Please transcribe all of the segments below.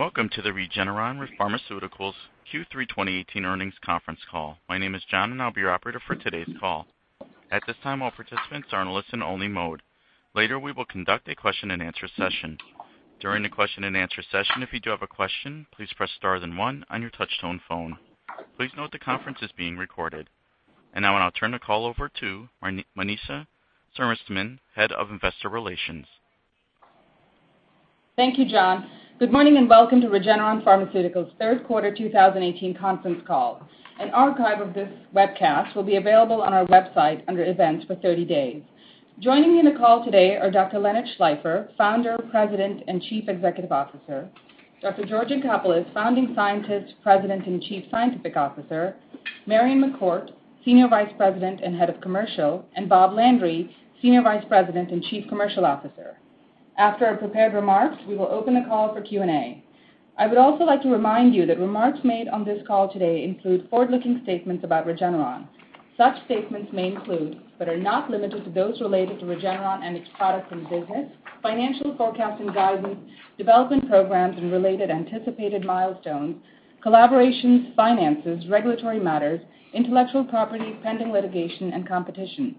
Welcome to the Regeneron Pharmaceuticals Q3 2018 earnings conference call. My name is John, and I'll be your operator for today's call. At this time, all participants are in listen only mode. Later, we will conduct a question and answer session. During the question and answer session, if you do have a question, please press star then one on your touchtone phone. Please note the conference is being recorded. Now I'll turn the call over to Manisha Narasimhan, Head of Investor Relations. Thank you, John. Good morning and welcome to Regeneron Pharmaceuticals' third quarter 2018 conference call. An archive of this webcast will be available on our website under Events for 30 days. Joining me in the call today are Dr. Leonard Schleifer, Founder, President, and Chief Executive Officer, Dr. George Yancopoulos, Founding Scientist, President, and Chief Scientific Officer, Marion McCourt, Senior Vice President and Head of Commercial, and Bob Landry, Senior Vice President and Chief Commercial Officer. After our prepared remarks, we will open the call for Q&A. I would also like to remind you that remarks made on this call today include forward-looking statements about Regeneron. Such statements may include, but are not limited to, those related to Regeneron and its products and business, financial forecasts and guidance, development programs and related anticipated milestones, collaborations, finances, regulatory matters, intellectual property, pending litigation, and competition.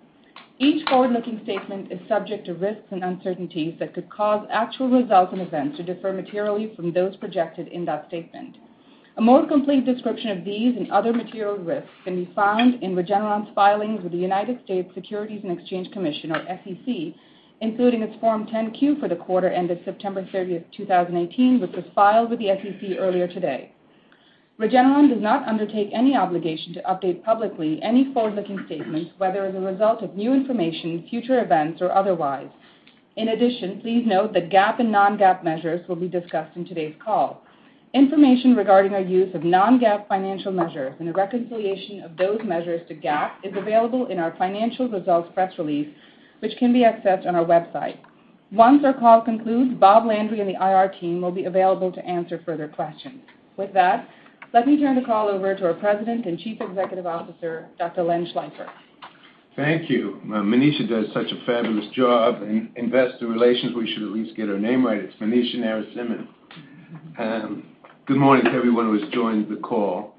Each forward-looking statement is subject to risks and uncertainties that could cause actual results and events to differ materially from those projected in that statement. A more complete description of these and other material risks can be found in Regeneron's filings with the United States Securities and Exchange Commission, or SEC, including its Form 10-Q for the quarter ended September 30th, 2018, which was filed with the SEC earlier today. Regeneron does not undertake any obligation to update publicly any forward-looking statements, whether as a result of new information, future events, or otherwise. In addition, please note that GAAP and non-GAAP measures will be discussed in today's call. Information regarding our use of non-GAAP financial measures and a reconciliation of those measures to GAAP is available in our financial results press release, which can be accessed on our website. Once our call concludes, Bob Landry and the IR team will be available to answer further questions. With that, let me turn the call over to our President and Chief Executive Officer, Dr. Len Schleifer. Thank you. Manisha does such a fabulous job in investor relations, we should at least get her name right. It's Manisha Narasimhan. Good morning to everyone who has joined the call.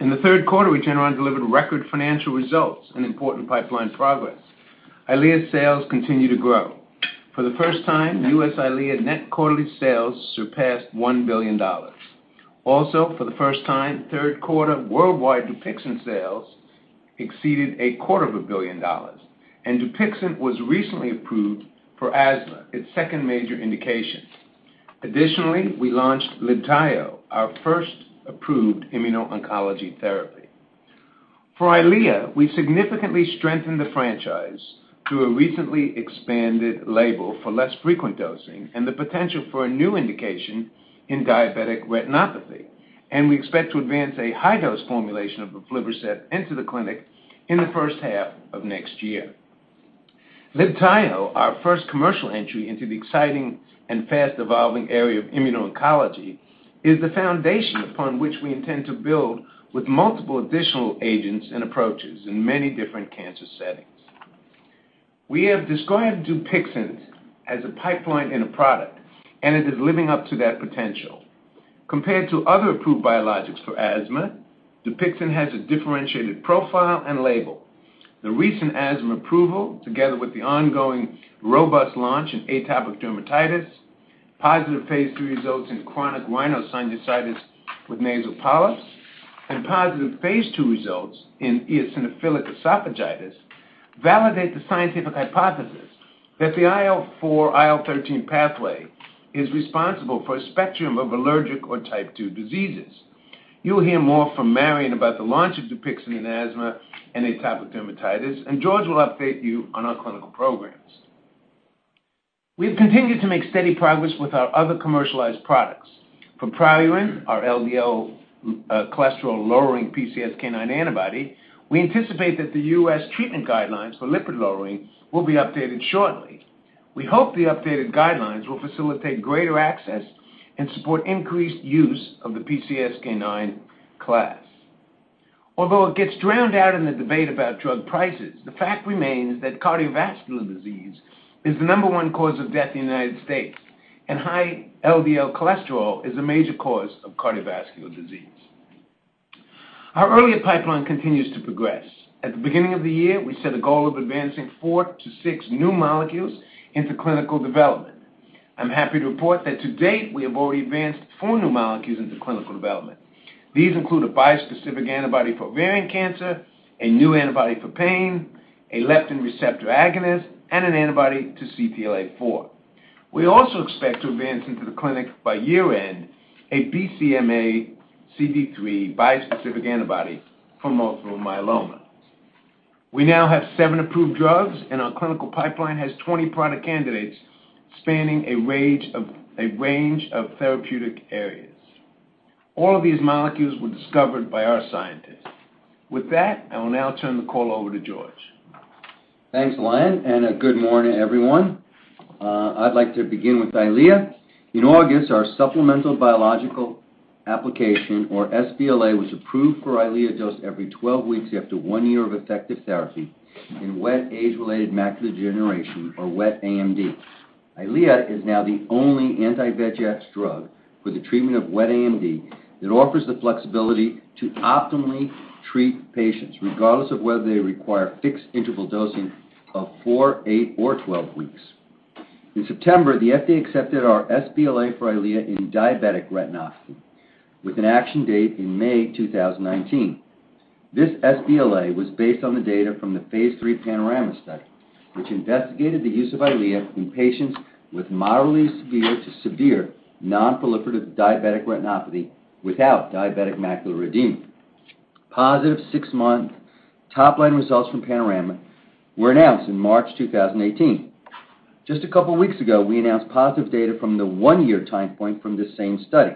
In the third quarter, Regeneron delivered record financial results and important pipeline progress. EYLEA sales continue to grow. For the first time, U.S. EYLEA net quarterly sales surpassed $1 billion. Also, for the first time, third quarter worldwide DUPIXENT sales exceeded a quarter of a billion dollars, and DUPIXENT was recently approved for asthma, its second major indication. Additionally, we launched LIBTAYO, our first approved immuno-oncology therapy. For EYLEA, we significantly strengthened the franchise through a recently expanded label for less frequent dosing and the potential for a new indication in diabetic retinopathy, and we expect to advance a high-dose formulation of aflibercept into the clinic in the first half of next year. LIBTAYO, our first commercial entry into the exciting and fast-evolving area of immuno-oncology, is the foundation upon which we intend to build with multiple additional agents and approaches in many different cancer settings. We have described DUPIXENT as a pipeline and a product, and it is living up to that potential. Compared to other approved biologics for asthma, DUPIXENT has a differentiated profile and label. The recent asthma approval, together with the ongoing robust launch in atopic dermatitis, positive phase III results in chronic rhinosinusitis with nasal polyps, and positive phase II results in eosinophilic esophagitis, validate the scientific hypothesis that the IL-4, IL-13 pathway is responsible for a spectrum of allergic or Type 2 diseases. You'll hear more from Marion about the launch of DUPIXENT in asthma and atopic dermatitis, and George will update you on our clinical programs. We've continued to make steady progress with our other commercialized products. For Praluent, our LDL cholesterol-lowering PCSK9 antibody, we anticipate that the U.S. treatment guidelines for lipid lowering will be updated shortly. We hope the updated guidelines will facilitate greater access and support increased use of the PCSK9 class. Although it gets drowned out in the debate about drug prices, the fact remains that cardiovascular disease is the number one cause of death in the U.S., and high LDL cholesterol is a major cause of cardiovascular disease. Our earlier pipeline continues to progress. At the beginning of the year, we set a goal of advancing four to six new molecules into clinical development. I'm happy to report that to date, we have already advanced four new molecules into clinical development. These include a bispecific antibody for ovarian cancer, a new antibody for pain, a leptin receptor agonist, and an antibody to CTLA-4. We also expect to advance into the clinic by year-end a BCMA CD3 bispecific antibody for multiple myeloma. We now have seven approved drugs, and our clinical pipeline has 20 product candidates spanning a range of therapeutic areas. All of these molecules were discovered by our scientists. With that, I will now turn the call over to George. Thanks, Len. A good morning, everyone. I'd like to begin with EYLEA. In August, our supplemental Biologics License Application or sBLA was approved for EYLEA dosed every 12 weeks after one year of effective therapy in wet age-related macular degeneration or wet AMD. EYLEA is now the only anti-VEGF drug for the treatment of wet AMD that offers the flexibility to optimally treat patients, regardless of whether they require fixed-interval dosing of four, eight, or 12 weeks. In September, the FDA accepted our sBLA for EYLEA in diabetic retinopathy, with an action date in May 2019. This sBLA was based on the data from the Phase III PANORAMA study, which investigated the use of EYLEA in patients with moderately severe to severe non-proliferative diabetic retinopathy without diabetic macular edema. Positive six-month top-line results from PANORAMA were announced in March 2018. Just a couple weeks ago, we announced positive data from the one-year time point from this same study.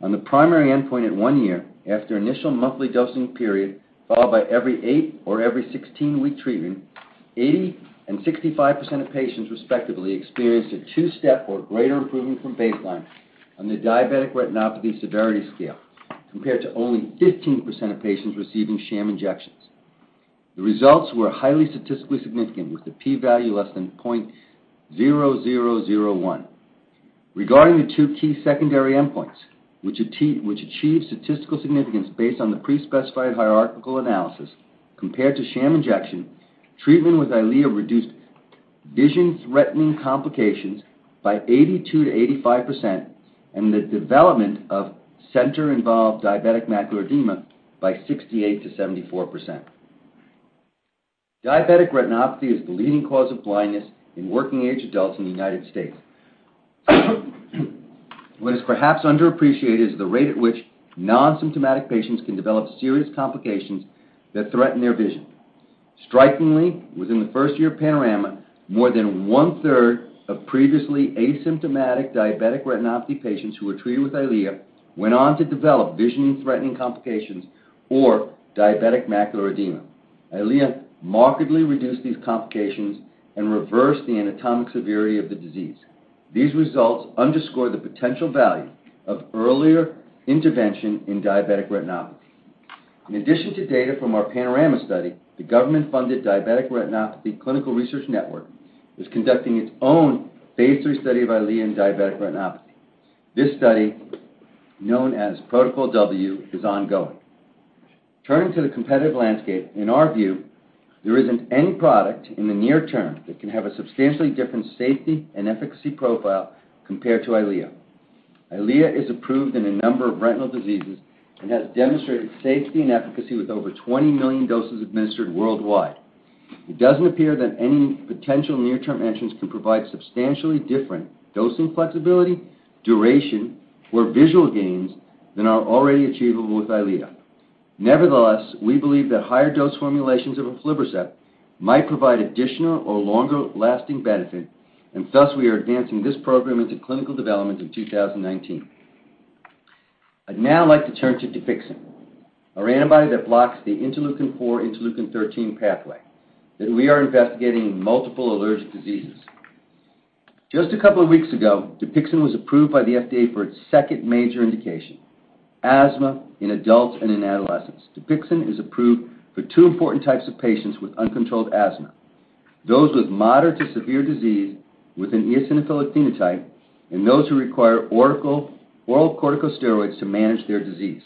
On the primary endpoint at one year after initial monthly dosing period, followed by every eight or every 16 week treatment, 80% and 65% of patients, respectively, experienced a two-step or greater improvement from baseline on the diabetic retinopathy severity scale, compared to only 15% of patients receiving sham injections. The results were highly statistically significant, with the p-value less than 0.0001. Regarding the two key secondary endpoints, which achieved statistical significance based on the pre-specified hierarchical analysis compared to sham injection, treatment with EYLEA reduced vision-threatening complications by 82%-85%, and the development of center involved diabetic macular edema by 68%-74%. Diabetic retinopathy is the leading cause of blindness in working age adults in the U.S. What is perhaps underappreciated is the rate at which non-symptomatic patients can develop serious complications that threaten their vision. Strikingly, within the first year of PANORAMA, more than one-third of previously asymptomatic diabetic retinopathy patients who were treated with EYLEA went on to develop vision-threatening complications or diabetic macular edema. EYLEA markedly reduced these complications and reversed the anatomic severity of the disease. These results underscore the potential value of earlier intervention in diabetic retinopathy. In addition to data from our PANORAMA study, the government-funded Diabetic Retinopathy Clinical Research Network is conducting its own Phase III study of EYLEA in diabetic retinopathy. This study, known as Protocol W, is ongoing. Turning to the competitive landscape, in our view, there isn't any product in the near term that can have a substantially different safety and efficacy profile compared to EYLEA. EYLEA is approved in a number of retinal diseases and has demonstrated safety and efficacy with over 20 million doses administered worldwide. It doesn't appear that any potential near-term entrants can provide substantially different dosing flexibility, duration, or visual gains than are already achievable with EYLEA. Nevertheless, we believe that higher dose formulations of aflibercept might provide additional or longer-lasting benefit, and thus we are advancing this program into clinical development in 2019. I'd now like to turn to DUPIXENT, our antibody that blocks the interleukin-4, interleukin-13 pathway, that we are investigating in multiple allergic diseases. Just a couple of weeks ago, DUPIXENT was approved by the FDA for its second major indication, asthma in adults and in adolescents. DUPIXENT is approved for two important types of patients with uncontrolled asthma, those with moderate to severe disease with an eosinophilic phenotype, and those who require oral corticosteroids to manage their disease.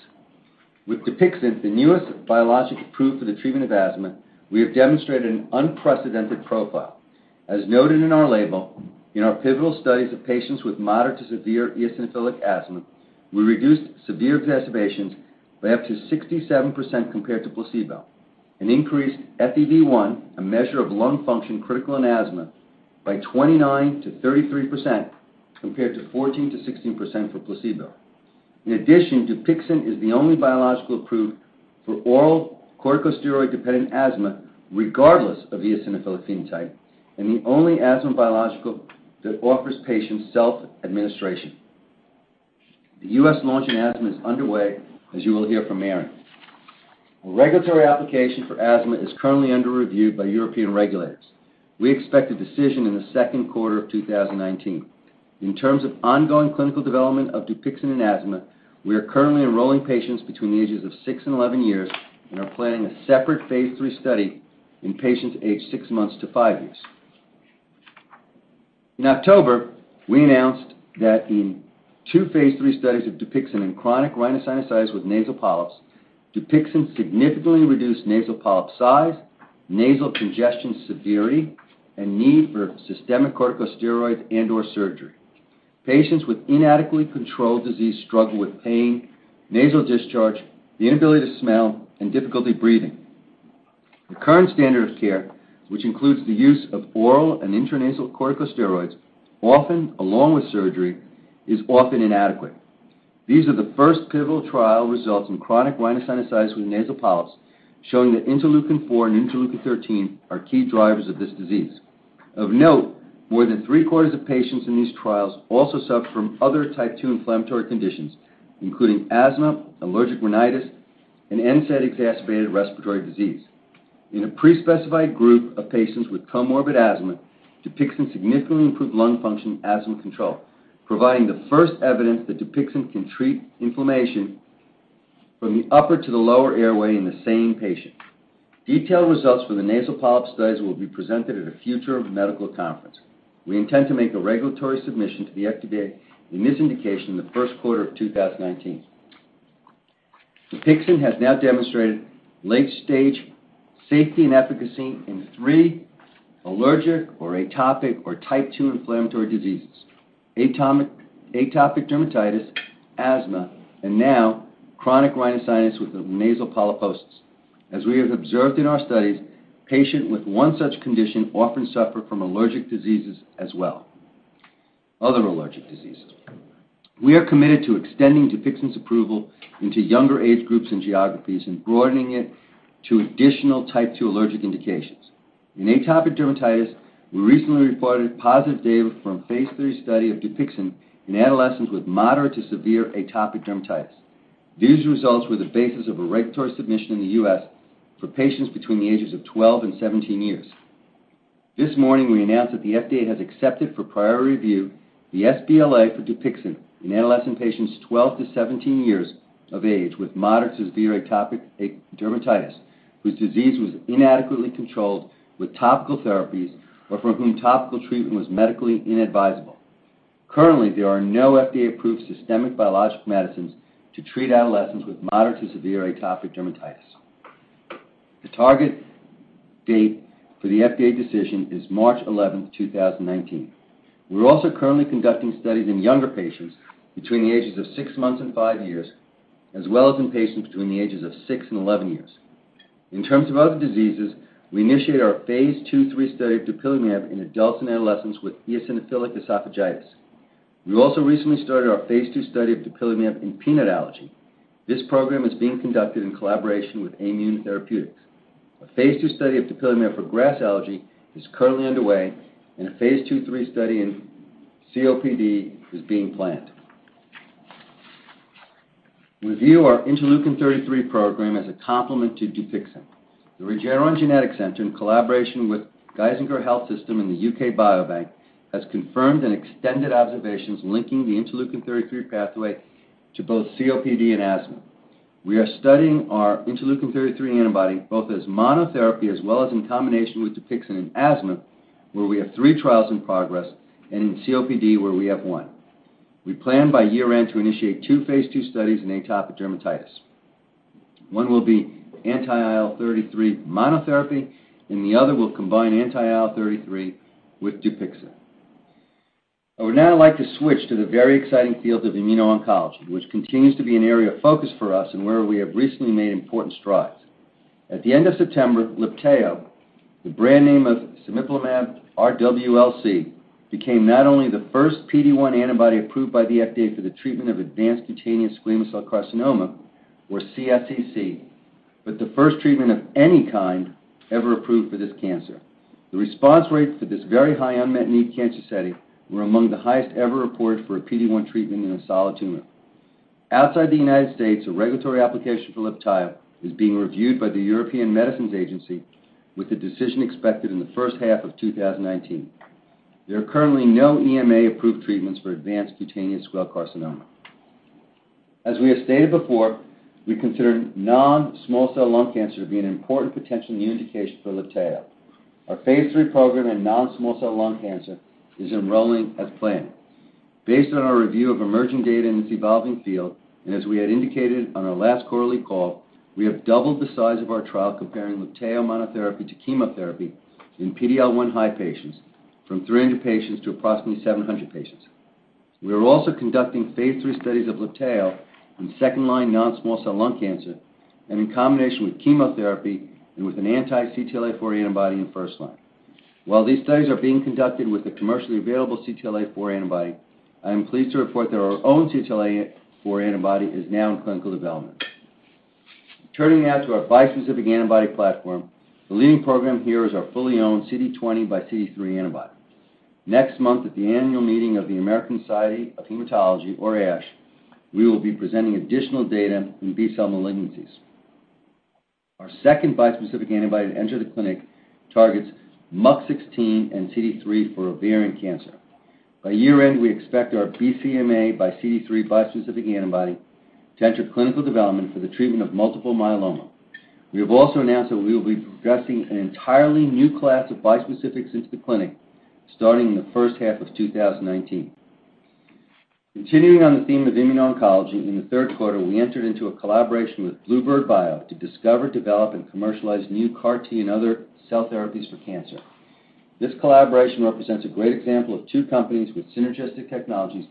With DUPIXENT, the newest biologic approved for the treatment of asthma, we have demonstrated an unprecedented profile. As noted in our label, in our pivotal studies of patients with moderate to severe eosinophilic asthma, we reduced severe exacerbations by up to 67% compared to placebo, and increased FEV1, a measure of lung function critical in asthma, by 29%-33%, compared to 14%-16% for placebo. In addition, DUPIXENT is the only biological approved for oral corticosteroid-dependent asthma regardless of eosinophilic phenotype, and the only asthma biological that offers patients self-administration. The U.S. launch in asthma is underway, as you will hear from Marion. A regulatory application for asthma is currently under review by European regulators. We expect a decision in the second quarter of 2019. In terms of ongoing clinical development of DUPIXENT in asthma, we are currently enrolling patients between the ages of six and 11 years, and are planning a separate phase III study in patients aged six months to five years. In October, we announced that in two phase III studies of DUPIXENT in chronic rhinosinusitis with nasal polyps, DUPIXENT significantly reduced nasal polyp size, nasal congestion severity, and need for systemic corticosteroids and/or surgery. Patients with inadequately controlled disease struggle with pain, nasal discharge, the inability to smell, and difficulty breathing. The current standard of care, which includes the use of oral and intranasal corticosteroids, often along with surgery, is often inadequate. These are the first pivotal trial results in chronic rhinosinusitis with nasal polyps showing that interleukin-4 and interleukin-13 are key drivers of this disease. Of note, more than three-quarters of patients in these trials also suffer from other type 2 inflammatory conditions, including asthma, allergic rhinitis, and NSAID-exacerbated respiratory disease. In a pre-specified group of patients with comorbid asthma, DUPIXENT significantly improved lung function and asthma control, providing the first evidence that DUPIXENT can treat inflammation from the upper to the lower airway in the same patient. Detailed results from the nasal polyp studies will be presented at a future medical conference. We intend to make a regulatory submission to the FDA in this indication in the first quarter of 2019. DUPIXENT has now demonstrated late-stage safety and efficacy in three allergic or atopic or type 2 inflammatory diseases: atopic dermatitis, asthma, and now chronic rhinosinusitis with nasal polyposis. As we have observed in our studies, patients with one such condition often suffer from other allergic diseases as well. We are committed to extending DUPIXENT's approval into younger age groups and geographies and broadening it to additional type 2 allergic indications. In atopic dermatitis, we recently reported positive data from a phase III study of DUPIXENT in adolescents with moderate to severe atopic dermatitis. These results were the basis of a regulatory submission in the U.S. for patients between the ages of 12 and 17 years. This morning, we announced that the FDA has accepted for priority review the sBLA for DUPIXENT in adolescent patients 12-17 years of age with moderate to severe atopic dermatitis, whose disease was inadequately controlled with topical therapies or for whom topical treatment was medically inadvisable. Currently, there are no FDA-approved systemic biological medicines to treat adolescents with moderate to severe atopic dermatitis. The target date for the FDA decision is March 11th, 2019. We're also currently conducting studies in younger patients between the ages of 6 months and 5 years, as well as in patients between the ages of 6 and 11 years. In terms of other diseases, we initiated our phase II/III study of dupilumab in adults and adolescents with eosinophilic esophagitis. We also recently started our phase II study of dupilumab in peanut allergy. This program is being conducted in collaboration with Aimmune Therapeutics. A phase II study of dupilumab for grass allergy is currently underway, and a phase II/III study in COPD is being planned. We view our interleukin-33 program as a complement to DUPIXENT. The Regeneron Genetics Center, in collaboration with Geisinger Health System and the UK Biobank, has confirmed and extended observations linking the interleukin-33 pathway to both COPD and asthma. We are studying our interleukin-33 antibody both as monotherapy as well as in combination with DUPIXENT in asthma, where we have three trials in progress, and in COPD, where we have one. We plan by year-end to initiate two phase II studies in atopic dermatitis. One will be anti-IL-33 monotherapy, and the other will combine anti-IL-33 with DUPIXENT. I would now like to switch to the very exciting field of immuno-oncology, which continues to be an area of focus for us and where we have recently made important strides. At the end of September, LIBTAYO, the brand name of cemiplimab-rwlc, became not only the first PD-1 antibody approved by the FDA for the treatment of advanced cutaneous squamous cell carcinoma, or CSCC, but the first treatment of any kind ever approved for this cancer. The response rates for this very high unmet need cancer setting were among the highest ever reported for a PD-1 treatment in a solid tumor. Outside the U.S., a regulatory application for LIBTAYO is being reviewed by the European Medicines Agency, with a decision expected in the first half of 2019. There are currently no EMA-approved treatments for advanced cutaneous squamous cell carcinoma. As we have stated before, we consider non-small cell lung cancer to be an important potential new indication for LIBTAYO. Our phase III program in non-small cell lung cancer is enrolling as planned. Based on our review of emerging data in this evolving field, and as we had indicated on our last quarterly call, we have doubled the size of our trial comparing LIBTAYO monotherapy to chemotherapy in PD-L1 high patients from 300 patients to approximately 700 patients. We are also conducting phase III studies of LIBTAYO in second-line non-small cell lung cancer and in combination with chemotherapy and with an anti-CTLA-4 antibody in first line. While these studies are being conducted with a commercially available CTLA-4 antibody, I am pleased to report that our own CTLA-4 antibody is now in clinical development. Turning now to our bispecific antibody platform, the leading program here is our fully owned CD20 by CD3 antibody. Next month at the annual meeting of the American Society of Hematology, or ASH, we will be presenting additional data in B-cell malignancies. Our second bispecific antibody to enter the clinic targets MUC16 and CD3 for ovarian cancer. By year-end, we expect our BCMA by CD3 bispecific antibody to enter clinical development for the treatment of multiple myeloma. We have also announced that we will be progressing an entirely new class of bispecifics into the clinic starting in the first half of 2019. Continuing on the theme of immuno-oncology, in the third quarter, we entered into a collaboration with bluebird bio to discover, develop, and commercialize new CAR T and other cell therapies for cancer. This collaboration represents a great example of two companies with synergistic technologies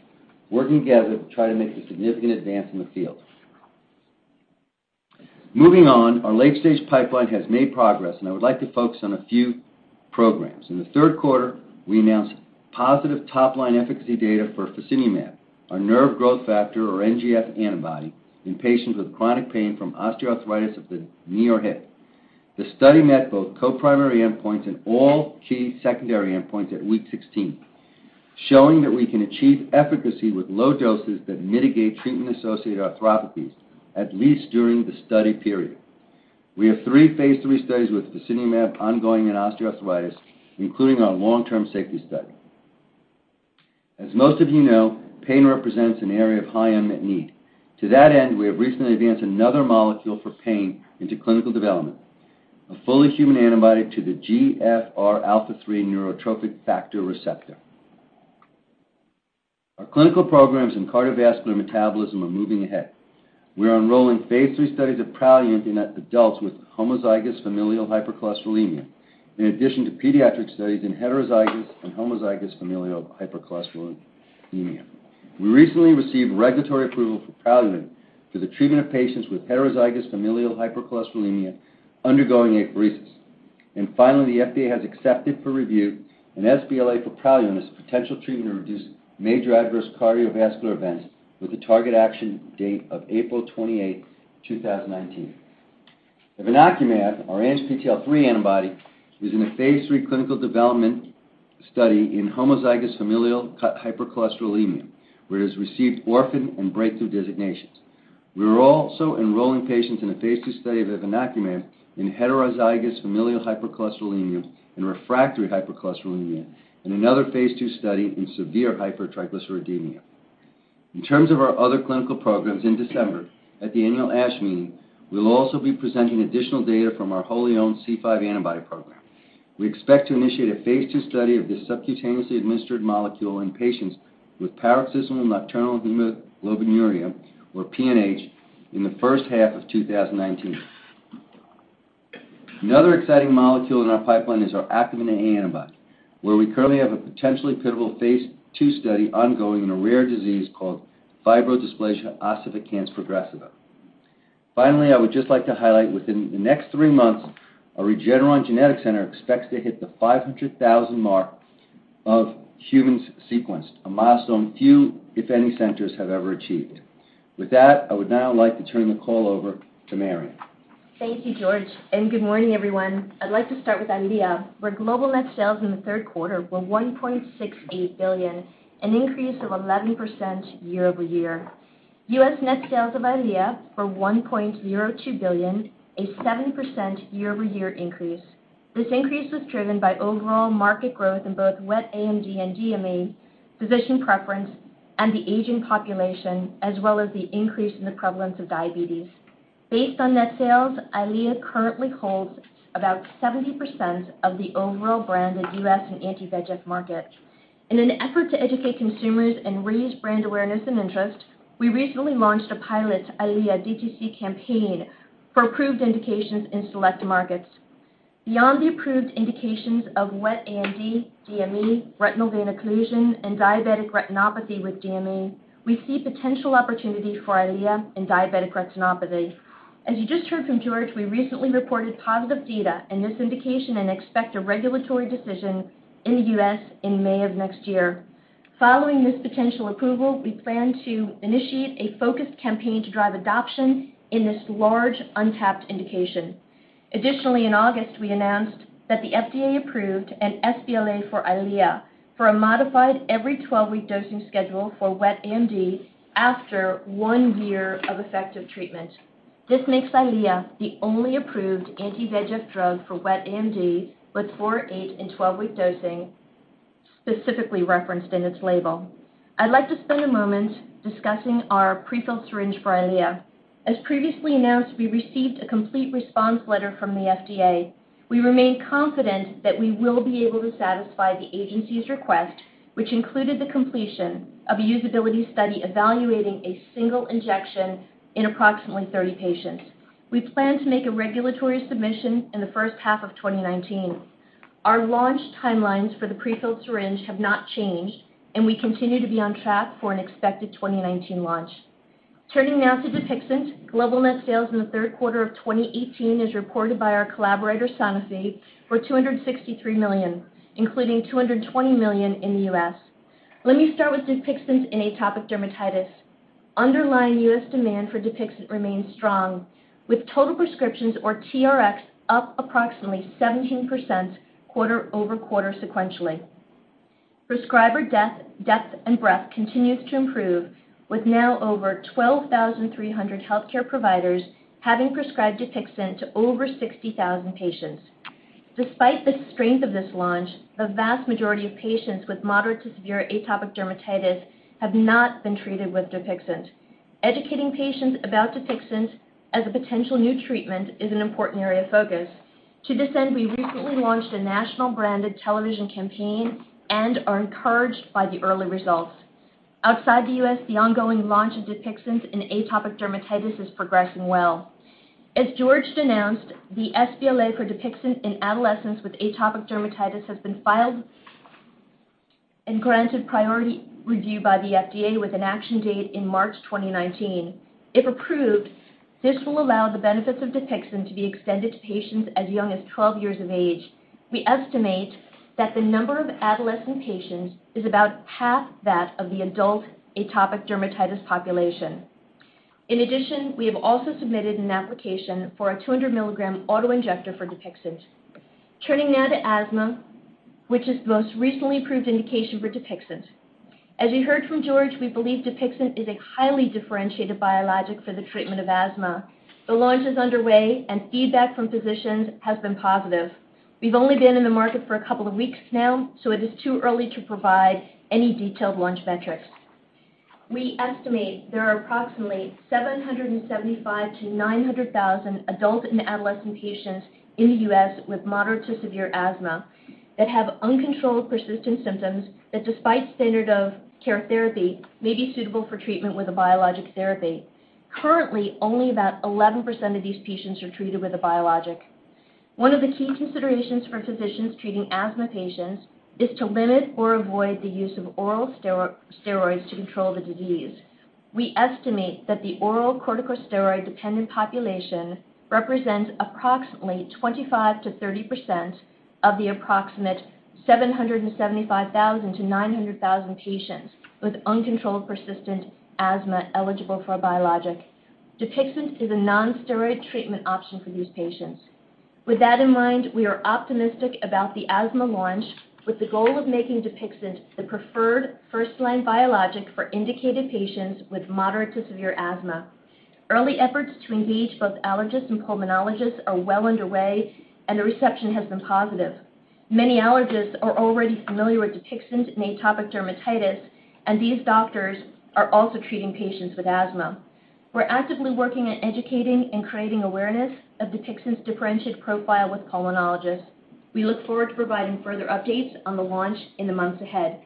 working together to try to make a significant advance in the field. Moving on, our late-stage pipeline has made progress, and I would like to focus on a few programs. In the third quarter, we announced positive top-line efficacy data for fasinumab, a nerve growth factor or NGF antibody in patients with chronic pain from osteoarthritis of the knee or hip. The study met both co-primary endpoints and all key secondary endpoints at week 16. Showing that we can achieve efficacy with low doses that mitigate treatment-associated arthropathies, at least during the study period. We have three phase III studies with tocilizumab ongoing in osteoarthritis, including our long-term safety study. As most of you know, pain represents an area of high unmet need. To that end, we have recently advanced another molecule for pain into clinical development, a fully human antibody to the GFRα3 neurotrophic factor receptor. Our clinical programs in cardiovascular metabolism are moving ahead. We are enrolling phase III studies of Praluent in adults with homozygous familial hypercholesterolemia, in addition to pediatric studies in heterozygous and homozygous familial hypercholesterolemia. We recently received regulatory approval for Praluent for the treatment of patients with heterozygous familial hypercholesterolemia undergoing apheresis. Finally, the FDA has accepted for review an sBLA for Praluent as a potential treatment to reduce major adverse cardiovascular events with a target action date of April 28, 2019. Evinacumab, our ANGPTL3 antibody, is in a phase III clinical development study in homozygous familial hypercholesterolemia, where it has received orphan and breakthrough designations. We are also enrolling patients in a phase II study of evinacumab in heterozygous familial hypercholesterolemia and refractory hypercholesterolemia, and another phase II study in severe hypertriglyceridemia. In terms of our other clinical programs in December at the annual ASH meeting, we'll also be presenting additional data from our wholly-owned C5 antibody program. We expect to initiate a phase II study of this subcutaneously administered molecule in patients with paroxysmal nocturnal hemoglobinuria, or PNH, in the first half of 2019. Another exciting molecule in our pipeline is our activin A antibody, where we currently have a potentially pivotal phase II study ongoing in a rare disease called fibrodysplasia ossificans progressiva. Finally, I would just like to highlight within the next three months, our Regeneron Genetics Center expects to hit the 500,000 mark of humans sequenced, a milestone few, if any, centers have ever achieved. With that, I would now like to turn the call over to Marion. Thank you, George, and good morning, everyone. I'd like to start with Eylea, where global net sales in the third quarter were $1.68 billion, an increase of 11% year-over-year. U.S. net sales of Eylea were $1.02 billion, a 7% year-over-year increase. This increase was driven by overall market growth in both wet AMD and DME, physician preference, and the aging population, as well as the increase in the prevalence of diabetes. Based on net sales, Eylea currently holds about 70% of the overall branded U.S. anti-VEGF market. In an effort to educate consumers and raise brand awareness and interest, we recently launched a pilot Eylea DTC campaign for approved indications in select markets. Beyond the approved indications of wet AMD, DME, retinal vein occlusion, and diabetic retinopathy with DME, we see potential opportunity for Eylea in diabetic retinopathy. As you just heard from George, we recently reported positive data in this indication and expect a regulatory decision in the U.S. in May of next year. Following this potential approval, we plan to initiate a focused campaign to drive adoption in this large untapped indication. Additionally, in August, we announced that the FDA approved an sBLA for Eylea for a modified every 12-week dosing schedule for wet AMD after one year of effective treatment. This makes Eylea the only approved anti-VEGF drug for wet AMD with four, eight, and 12-week dosing specifically referenced in its label. I'd like to spend a moment discussing our prefilled syringe for Eylea. As previously announced, we received a complete response letter from the FDA. We remain confident that we will be able to satisfy the agency's request, which included the completion of a usability study evaluating a single injection in approximately 30 patients. We plan to make a regulatory submission in the first half of 2019. Our launch timelines for the prefilled syringe have not changed, and we continue to be on track for an expected 2019 launch. Turning now to Dupixent. Global net sales in the third quarter of 2018 as reported by our collaborator, Sanofi, were $263 million, including $220 million in the U.S. Let me start with Dupixent in atopic dermatitis. Underlying U.S. demand for Dupixent remains strong, with total prescriptions, or TRx, up approximately 17% quarter-over-quarter sequentially. Prescriber depth and breadth continues to improve, with now over 12,300 healthcare providers having prescribed Dupixent to over 60,000 patients. Despite the strength of this launch, the vast majority of patients with moderate to severe atopic dermatitis have not been treated with Dupixent. Educating patients about Dupixent as a potential new treatment is an important area of focus. To this end, we recently launched a national branded television campaign and are encouraged by the early results. Outside the U.S., the ongoing launch of Dupixent in atopic dermatitis is progressing well. As George announced, the sBLA for Dupixent in adolescents with atopic dermatitis has been filed and granted priority review by the FDA with an action date in March 2019. If approved, this will allow the benefits of Dupixent to be extended to patients as young as 12 years of age. We estimate that the number of adolescent patients is about half that of the adult atopic dermatitis population. In addition, we have also submitted an application for a 200 milligram auto-injector for Dupixent. Turning now to asthma, which is the most recently approved indication for Dupixent. As you heard from George, we believe Dupixent is a highly differentiated biologic for the treatment of asthma. The launch is underway, and feedback from physicians has been positive. We've only been in the market for a couple of weeks now, so it is too early to provide any detailed launch metrics. We estimate there are approximately 775,000 to 900,000 adult and adolescent patients in the U.S. with moderate to severe asthma that have uncontrolled persistent symptoms that, despite standard of care therapy, may be suitable for treatment with a biologic therapy. Currently, only about 11% of these patients are treated with a biologic. One of the key considerations for physicians treating asthma patients is to limit or avoid the use of oral steroids to control the disease. We estimate that the oral corticosteroid-dependent population represents approximately 25%-30% of the approximate 775,000 to 900,000 patients with uncontrolled persistent asthma eligible for a biologic. DUPIXENT is a non-steroid treatment option for these patients. With that in mind, we are optimistic about the asthma launch with the goal of making DUPIXENT the preferred first-line biologic for indicated patients with moderate to severe asthma. Early efforts to engage both allergists and pulmonologists are well underway, and the reception has been positive. Many allergists are already familiar with DUPIXENT in atopic dermatitis, and these doctors are also treating patients with asthma. We're actively working at educating and creating awareness of DUPIXENT's differentiated profile with pulmonologists. We look forward to providing further updates on the launch in the months ahead.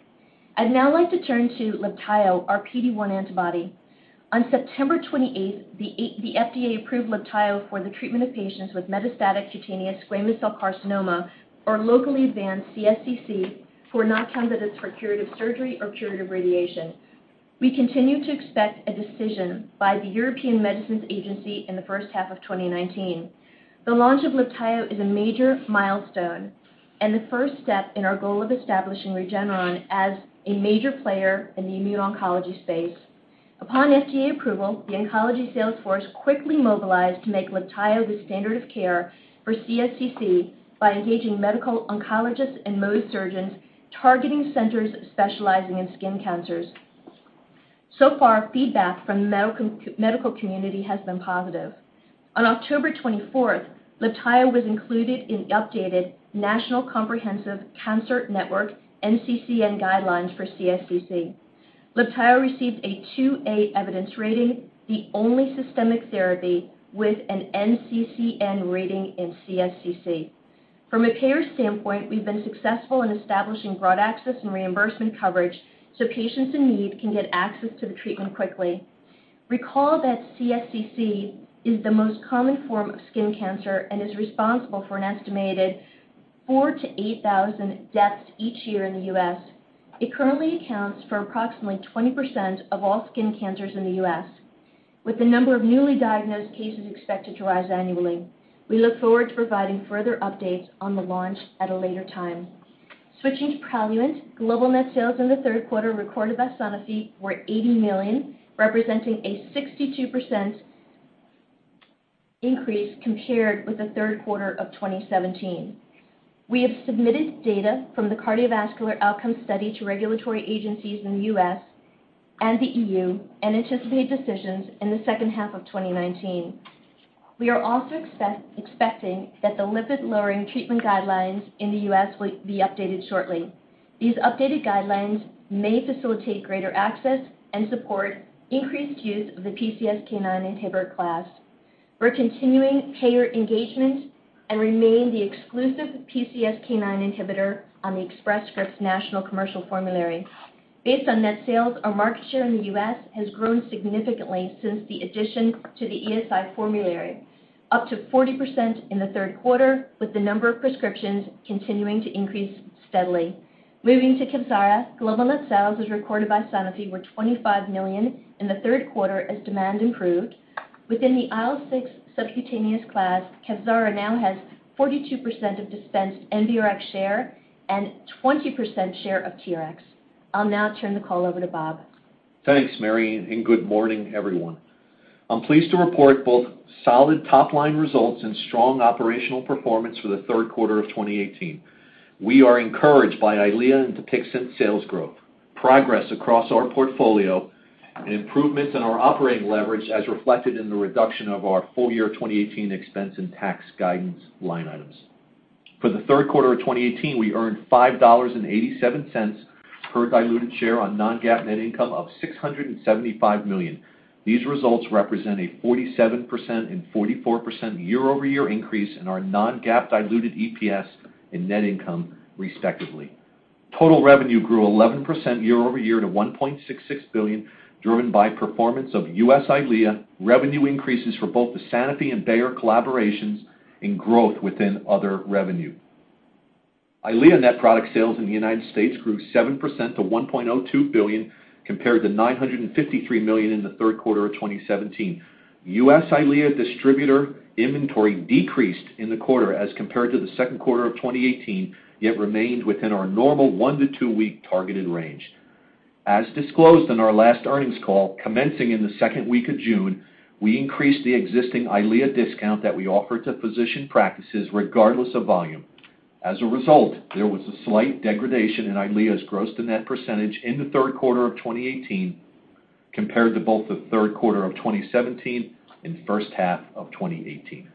I'd now like to turn to LIBTAYO, our PD-1 antibody. On September 28th, the FDA approved LIBTAYO for the treatment of patients with metastatic cutaneous squamous cell carcinoma or locally advanced CSCC who are not candidates for curative surgery or curative radiation. We continue to expect a decision by the European Medicines Agency in the first half of 2019. The launch of LIBTAYO is a major milestone and the first step in our goal of establishing Regeneron as a major player in the immune-oncology space. Upon FDA approval, the oncology sales force quickly mobilized to make LIBTAYO the standard of care for CSCC by engaging medical oncologists and Mohs surgeons targeting centers specializing in skin cancers. So far, feedback from the medical community has been positive. On October 24th, LIBTAYO was included in the updated National Comprehensive Cancer Network NCCN guidelines for CSCC. LIBTAYO received a 2A evidence rating, the only systemic therapy with an NCCN rating in CSCC. From a payer standpoint, we've been successful in establishing broad access and reimbursement coverage so patients in need can get access to the treatment quickly. Recall that CSCC is the most common form of skin cancer and is responsible for an estimated 4,000 to 8,000 deaths each year in the U.S. It currently accounts for approximately 20% of all skin cancers in the U.S., with the number of newly diagnosed cases expected to rise annually. We look forward to providing further updates on the launch at a later time. Switching to Praluent, global net sales in the third quarter recorded by Sanofi were $80 million, representing a 62% increase compared with the third quarter of 2017. We have submitted data from the cardiovascular outcome study to regulatory agencies in the U.S. and the EU and anticipate decisions in the second half of 2019. We are also expecting that the lipid-lowering treatment guidelines in the U.S. will be updated shortly. These updated guidelines may facilitate greater access and support increased use of the PCSK9 inhibitor class. We're continuing payer engagement and remain the exclusive PCSK9 inhibitor on the Express Scripts National Commercial Formulary. Based on net sales, our market share in the U.S. has grown significantly since the addition to the ESI formulary, up to 40% in the third quarter, with the number of prescriptions continuing to increase steadily. Moving to Kevzara, global net sales, as recorded by Sanofi, were $25 million in the third quarter as demand improved. Within the IL-6 subcutaneous class, Kevzara now has 42% of dispensed NRx share and 20% share of TRx. I'll now turn the call over to Bob. Thanks, Marion, and good morning, everyone. I'm pleased to report both solid top-line results and strong operational performance for the third quarter of 2018. We are encouraged by EYLEA and DUPIXENT sales growth, progress across our portfolio, and improvements in our operating leverage as reflected in the reduction of our full year 2018 expense and tax guidance line items. For the third quarter of 2018, we earned $5.87 per diluted share on non-GAAP net income of $675 million. These results represent a 47% and 44% year-over-year increase in our non-GAAP diluted EPS and net income, respectively. Total revenue grew 11% year-over-year to $1.66 billion, driven by performance of U.S. EYLEA, revenue increases for both the Sanofi and Bayer collaborations, and growth within other revenue. EYLEA net product sales in the United States grew 7% to $1.02 billion, compared to $953 million in the third quarter of 2017. EYLEA distributor inventory decreased in the quarter as compared to the second quarter of 2018, yet remained within our normal one to two-week targeted range. As disclosed on our last earnings call, commencing in the second week of June, we increased the existing EYLEA discount that we offer to physician practices regardless of volume. As a result, there was a slight degradation in EYLEA's gross to net percentage in the third quarter of 2018 compared to both the third quarter of 2017 and first half of 2018.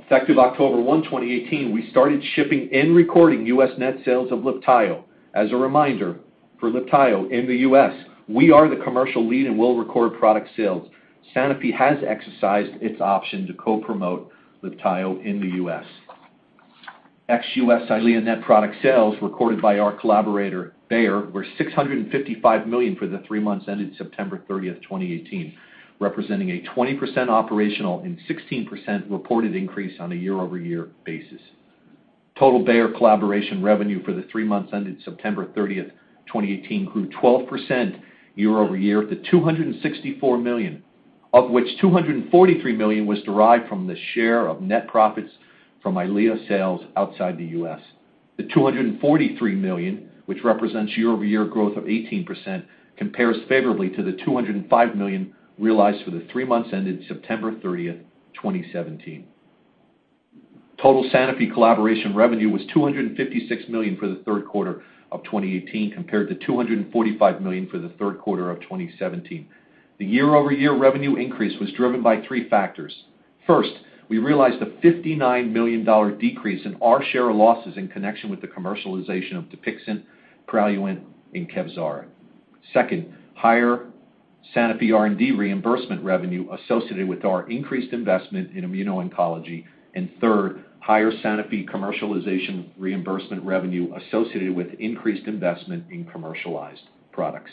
Effective October 1, 2018, we started shipping and recording U.S. net sales of LIBTAYO. As a reminder, for LIBTAYO in the U.S., we are the commercial lead and will record product sales. Sanofi has exercised its option to co-promote LIBTAYO in the U.S. Ex-U.S. EYLEA net product sales recorded by our collaborator, Bayer, were $655 million for the three months ended September 30th, 2018, representing a 20% operational and 16% reported increase on a year-over-year basis. Total Bayer collaboration revenue for the three months ended September 30th, 2018, grew 12% year-over-year to $264 million, of which $243 million was derived from the share of net profits from EYLEA sales outside the U.S. The $243 million, which represents year-over-year growth of 18%, compares favorably to the $205 million realized for the three months ended September 30th, 2017. Total Sanofi collaboration revenue was $256 million for the third quarter of 2018, compared to $245 million for the third quarter of 2017. The year-over-year revenue increase was driven by three factors. First, we realized a $59 million decrease in our share of losses in connection with the commercialization of DUPIXENT, Praluent, and Kevzara. Second, higher Sanofi R&D reimbursement revenue associated with our increased investment in immuno-oncology. Third, higher Sanofi commercialization reimbursement revenue associated with increased investment in commercialized products.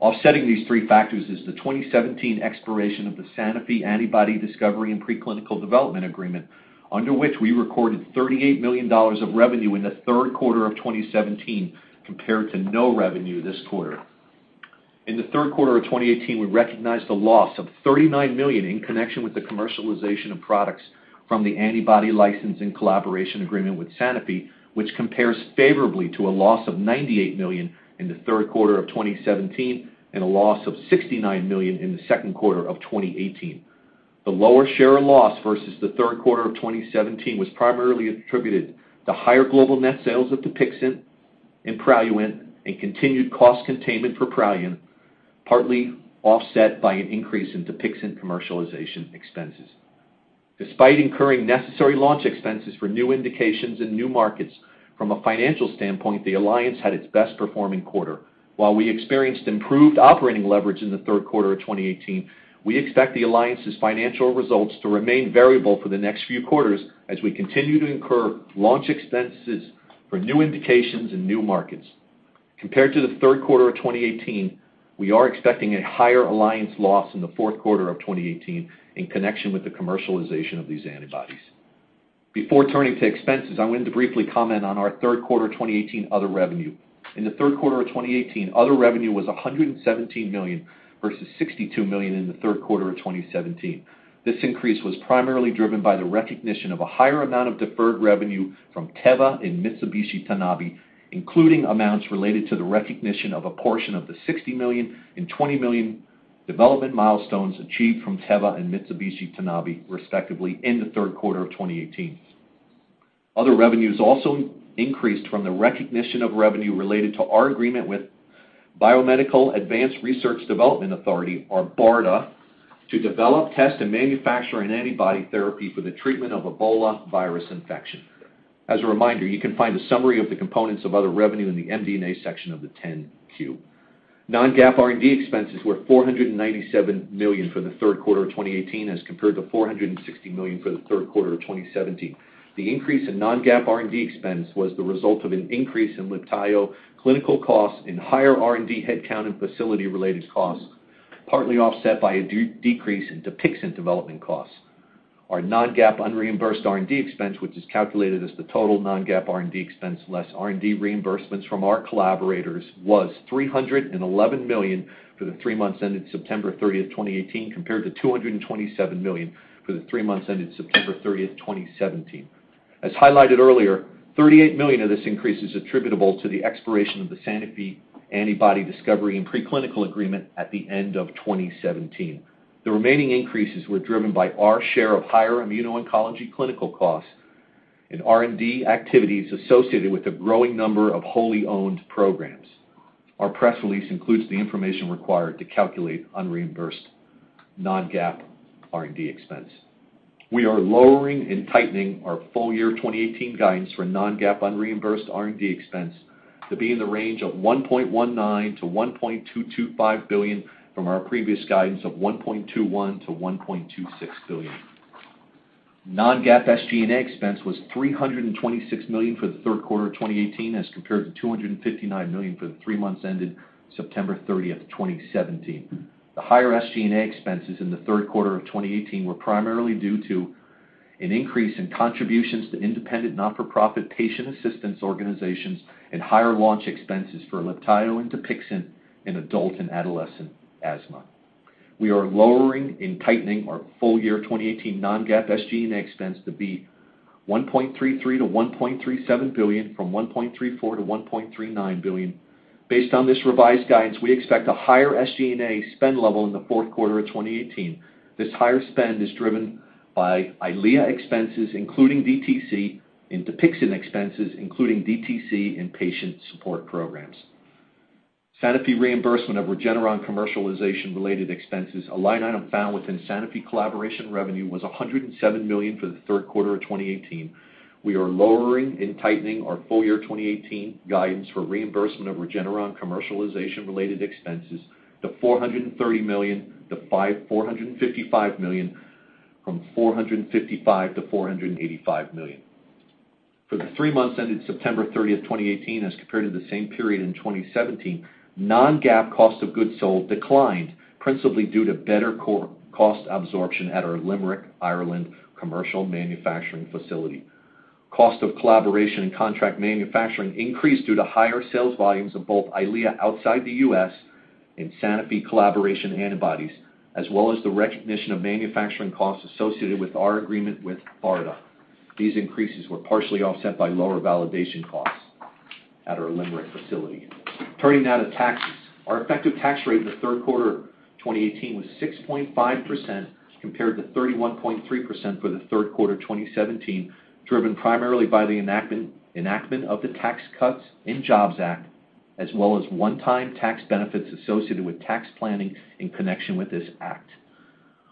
Offsetting these three factors is the 2017 expiration of the Sanofi antibody discovery and pre-clinical development agreement, under which we recorded $38 million of revenue in the third quarter of 2017 compared to no revenue this quarter. In the third quarter of 2018, we recognized a loss of $39 million in connection with the commercialization of products from the antibody license and collaboration agreement with Sanofi, which compares favorably to a loss of $98 million in the third quarter of 2017 and a loss of $69 million in the second quarter of 2018. The lower share of loss versus the third quarter of 2017 was primarily attributed to higher global net sales of DUPIXENT and Praluent and continued cost containment for Praluent, partly offset by an increase in DUPIXENT commercialization expenses. Despite incurring necessary launch expenses for new indications in new markets, from a financial standpoint, the alliance had its best-performing quarter. While we experienced improved operating leverage in the third quarter of 2018, we expect the alliance's financial results to remain variable for the next few quarters as we continue to incur launch expenses for new indications in new markets. Compared to the third quarter of 2018, we are expecting a higher alliance loss in the fourth quarter of 2018 in connection with the commercialization of these antibodies. Before turning to expenses, I wanted to briefly comment on our third quarter 2018 other revenue. In the third quarter of 2018, other revenue was $117 million, versus $62 million in the third quarter of 2017. This increase was primarily driven by the recognition of a higher amount of deferred revenue from Teva and Mitsubishi Tanabe, including amounts related to the recognition of a portion of the $60 million and $20 million development milestones achieved from Teva and Mitsubishi Tanabe, respectively, in the third quarter of 2018. Other revenues also increased from the recognition of revenue related to our agreement with Biomedical Advanced Research and Development Authority, or BARDA, to develop, test, and manufacture an antibody therapy for the treatment of Ebola virus infection. As a reminder, you can find a summary of the components of other revenue in the MD&A section of the 10-Q. Non-GAAP R&D expenses were $497 million for the third quarter of 2018 as compared to $460 million for the third quarter of 2017. The increase in non-GAAP R&D expense was the result of an increase in LIBTAYO clinical costs and higher R&D headcount and facility-related costs, partly offset by a decrease in DUPIXENT development costs. Our non-GAAP unreimbursed R&D expense, which is calculated as the total non-GAAP R&D expense less R&D reimbursements from our collaborators, was $311 million for the three months ended September 30th, 2018, compared to $227 million for the three months ended September 30th, 2017. As highlighted earlier, $38 million of this increase is attributable to the expiration of the Sanofi antibody discovery and pre-clinical agreement at the end of 2017. The remaining increases were driven by our share of higher immuno-oncology clinical costs and R&D activities associated with the growing number of wholly owned programs. Our press release includes the information required to calculate unreimbursed non-GAAP R&D expense. We are lowering and tightening our full year 2018 guidance for non-GAAP unreimbursed R&D expense to be in the range of $1.19 billion-$1.225 billion from our previous guidance of $1.21 billion-$1.26 billion. Non-GAAP SG&A expense was $326 million for the third quarter of 2018 as compared to $259 million for the three months ended September 30th, 2017. The higher SG&A expenses in the third quarter of 2018 were primarily due to an increase in contributions to independent, not-for-profit patient assistance organizations, and higher launch expenses for LIBTAYO and DUPIXENT in adult and adolescent asthma. We are lowering and tightening our full year 2018 non-GAAP SG&A expense to be $1.33 billion-$1.37 billion from $1.34 billion-$1.39 billion. Based on this revised guidance, we expect a higher SG&A spend level in the fourth quarter of 2018. This higher spend is driven by EYLEA expenses, including DTC, and DUPIXENT expenses, including DTC and patient support programs. Sanofi reimbursement of Regeneron commercialization related expenses, a line item found within Sanofi collaboration revenue, was $107 million for the third quarter of 2018. We are lowering and tightening our full year 2018 guidance for reimbursement of Regeneron commercialization related expenses to $430 million-$455 million from $455 million-$485 million. For the three months ended September 30th, 2018, as compared to the same period in 2017, non-GAAP cost of goods sold declined, principally due to better cost absorption at our Limerick, Ireland commercial manufacturing facility. Cost of collaboration and contract manufacturing increased due to higher sales volumes of both EYLEA outside the U.S. and Sanofi collaboration antibodies, as well as the recognition of manufacturing costs associated with our agreement with BARDA. These increases were partially offset by lower validation costs at our Limerick facility. Turning now to taxes. Our effective tax rate in the third quarter of 2018 was 6.5% compared to 31.3% for the third quarter 2017, driven primarily by the enactment of the Tax Cuts and Jobs Act, as well as one-time tax benefits associated with tax planning in connection with this act.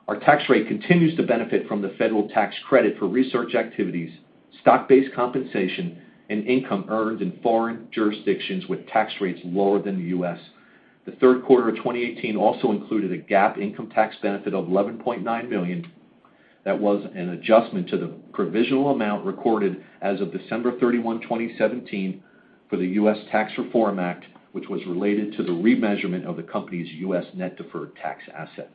Our tax rate continues to benefit from the federal tax credit for research activities, stock-based compensation, and income earned in foreign jurisdictions with tax rates lower than the U.S. The third quarter of 2018 also included a GAAP income tax benefit of $11.9 million that was an adjustment to the provisional amount recorded as of December 31, 2017, for the U.S. Tax Reform Act, which was related to the remeasurement of the company's U.S. net deferred tax assets.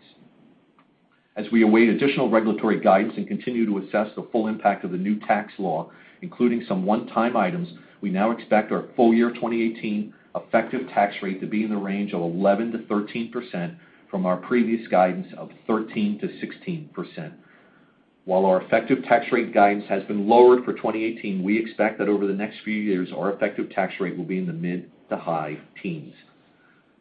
As we await additional regulatory guidance and continue to assess the full impact of the new tax law, including some one-time items, we now expect our full year 2018 effective tax rate to be in the range of 11%-13% from our previous guidance of 13%-16%. While our effective tax rate guidance has been lowered for 2018, we expect that over the next few years, our effective tax rate will be in the mid to high teens.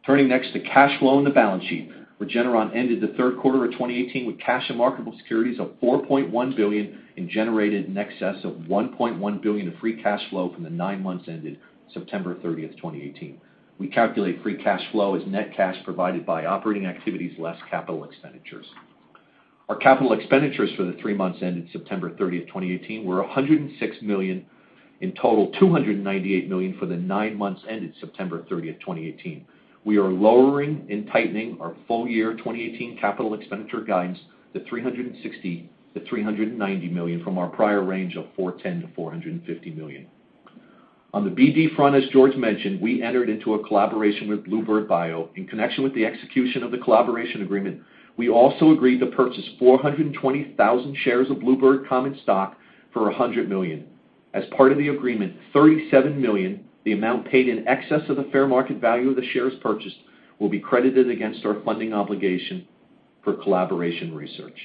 Turning next to cash flow and the balance sheet. Regeneron ended the third quarter of 2018 with cash and marketable securities of $4.1 billion and generated in excess of $1.1 billion of free cash flow from the nine months ended September 30th, 2018. We calculate free cash flow as net cash provided by operating activities less capital expenditures. Our capital expenditures for the three months ended September 30, 2018, were $106 million, in total $298 million for the nine months ended September 30, 2018. We are lowering and tightening our full year 2018 capital expenditure guidance to $360 million-$390 million from our prior range of $410 million-$450 million. On the BD front, as George mentioned, we entered into a collaboration with bluebird bio. In connection with the execution of the collaboration agreement, we also agreed to purchase 420,000 shares of bluebird common stock for $100 million. As part of the agreement, $37 million, the amount paid in excess of the fair market value of the shares purchased, will be credited against our funding obligation for collaboration research.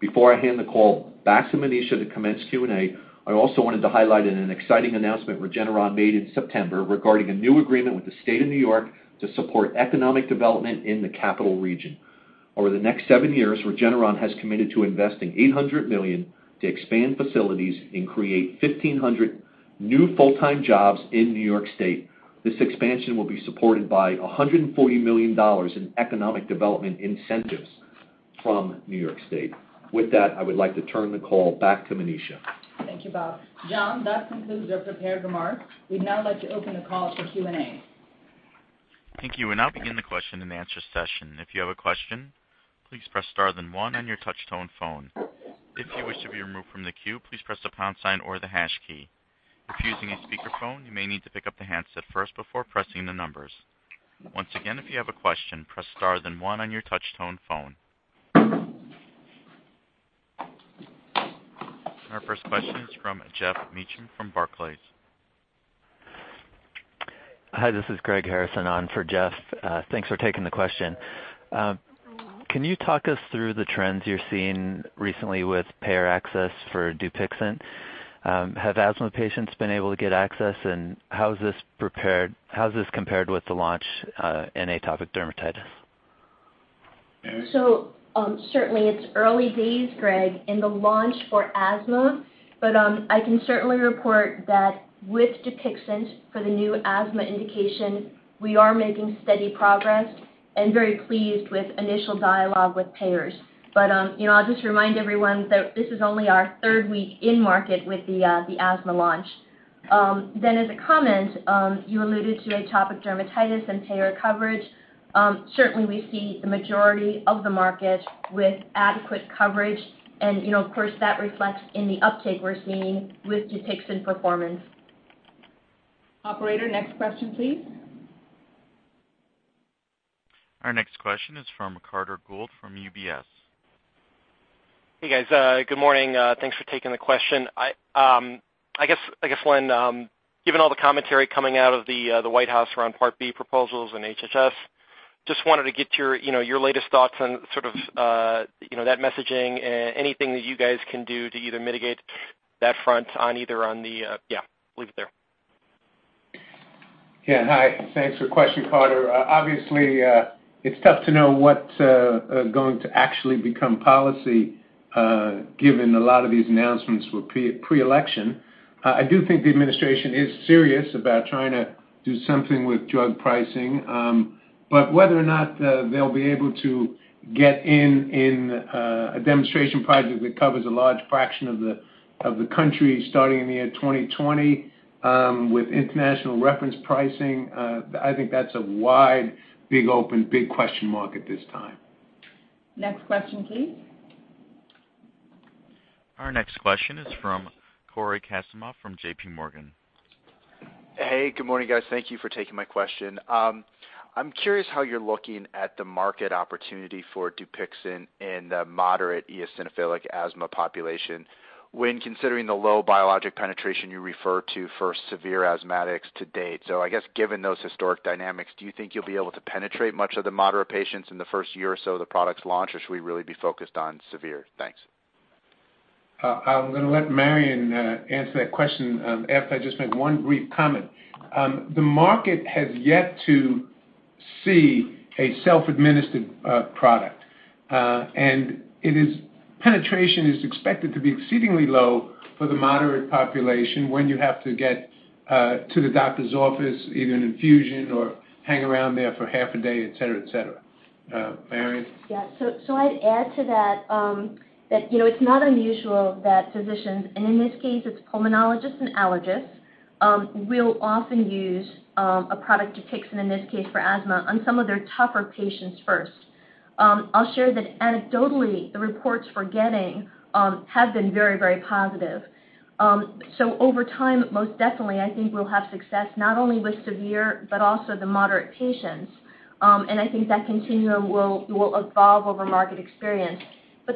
Before I hand the call back to Manisha to commence Q&A, I also wanted to highlight an exciting announcement Regeneron made in September regarding a new agreement with the State of N.Y. to support economic development in the capital region. Over the next seven years, Regeneron has committed to investing $800 million to expand facilities and create 1,500 new full-time jobs in N.Y. State. This expansion will be supported by $140 million in economic development incentives from N.Y. State. With that, I would like to turn the call back to Manisha. Thank you, Bob. John, that concludes our prepared remarks. We'd now like to open the call up for Q&A. Thank you. We'll now begin the question and answer session. If you have a question, please press star then one on your touch tone phone. If you wish to be removed from the queue, please press the pound sign or the hash key. If using a speakerphone, you may need to pick up the handset first before pressing the numbers. Once again, if you have a question, press star then one on your touch tone phone. Our first question is from Geoffrey Meacham from Barclays. Hi, this is Greg Harrison on for Jeff. Thanks for taking the question. Can you talk us through the trends you're seeing recently with payer access for DUPIXENT? Have asthma patients been able to get access, and how's this compared with the launch in atopic dermatitis? Marion? Certainly it's early days, Greg, in the launch for asthma, but I can certainly report that with DUPIXENT for the new asthma indication, we are making steady progress and very pleased with initial dialogue with payers. I'll just remind everyone that this is only our third week in market with the asthma launch. As a comment, you alluded to atopic dermatitis and payer coverage. Certainly, we see the majority of the market with adequate coverage and of course, that reflects in the uptake we're seeing with DUPIXENT performance. Operator, next question, please. Our next question is from Carter Gould from UBS. Hey, guys. Good morning. Thanks for taking the question. I guess, Len, given all the commentary coming out of the White House around Part B proposals and HHS, just wanted to get your latest thoughts on that messaging and anything that you guys can do to either mitigate that front on the. Yeah, leave it there. Yeah. Hi. Thanks for the question, Carter. Obviously, it's tough to know what's going to actually become policy, given a lot of these announcements were pre-election. I do think the administration is serious about trying to do something with drug pricing. Whether or not they'll be able to get in a demonstration project that covers a large fraction of the country starting in the year 2020, with international reference pricing, I think that's a wide, big, open, big question mark at this time. Next question, please. Our next question is from Cory Kasimov from JPMorgan. Hey, good morning, guys. Thank you for taking my question. I'm curious how you're looking at the market opportunity for DUPIXENT in the moderate eosinophilic asthma population when considering the low biologic penetration you refer to for severe asthmatics to date. I guess, given those historic dynamics, do you think you'll be able to penetrate much of the moderate patients in the first year or so of the product's launch, or should we really be focused on severe? Thanks. I'm going to let Marion answer that question after I just make one brief comment. The market has yet to see a self-administered product. Penetration is expected to be exceedingly low for the moderate population when you have to get to the doctor's office, either an infusion or hang around there for half a day, et cetera. Marion? Yeah. I'd add to that it's not unusual that physicians, and in this case, it's pulmonologists and allergists, will often use a product, DUPIXENT in this case for asthma, on some of their tougher patients first. I'll share that anecdotally, the reports we're getting have been very positive. Over time, most definitely, I think we'll have success not only with severe, but also the moderate patients. I think that continuum will evolve over market experience.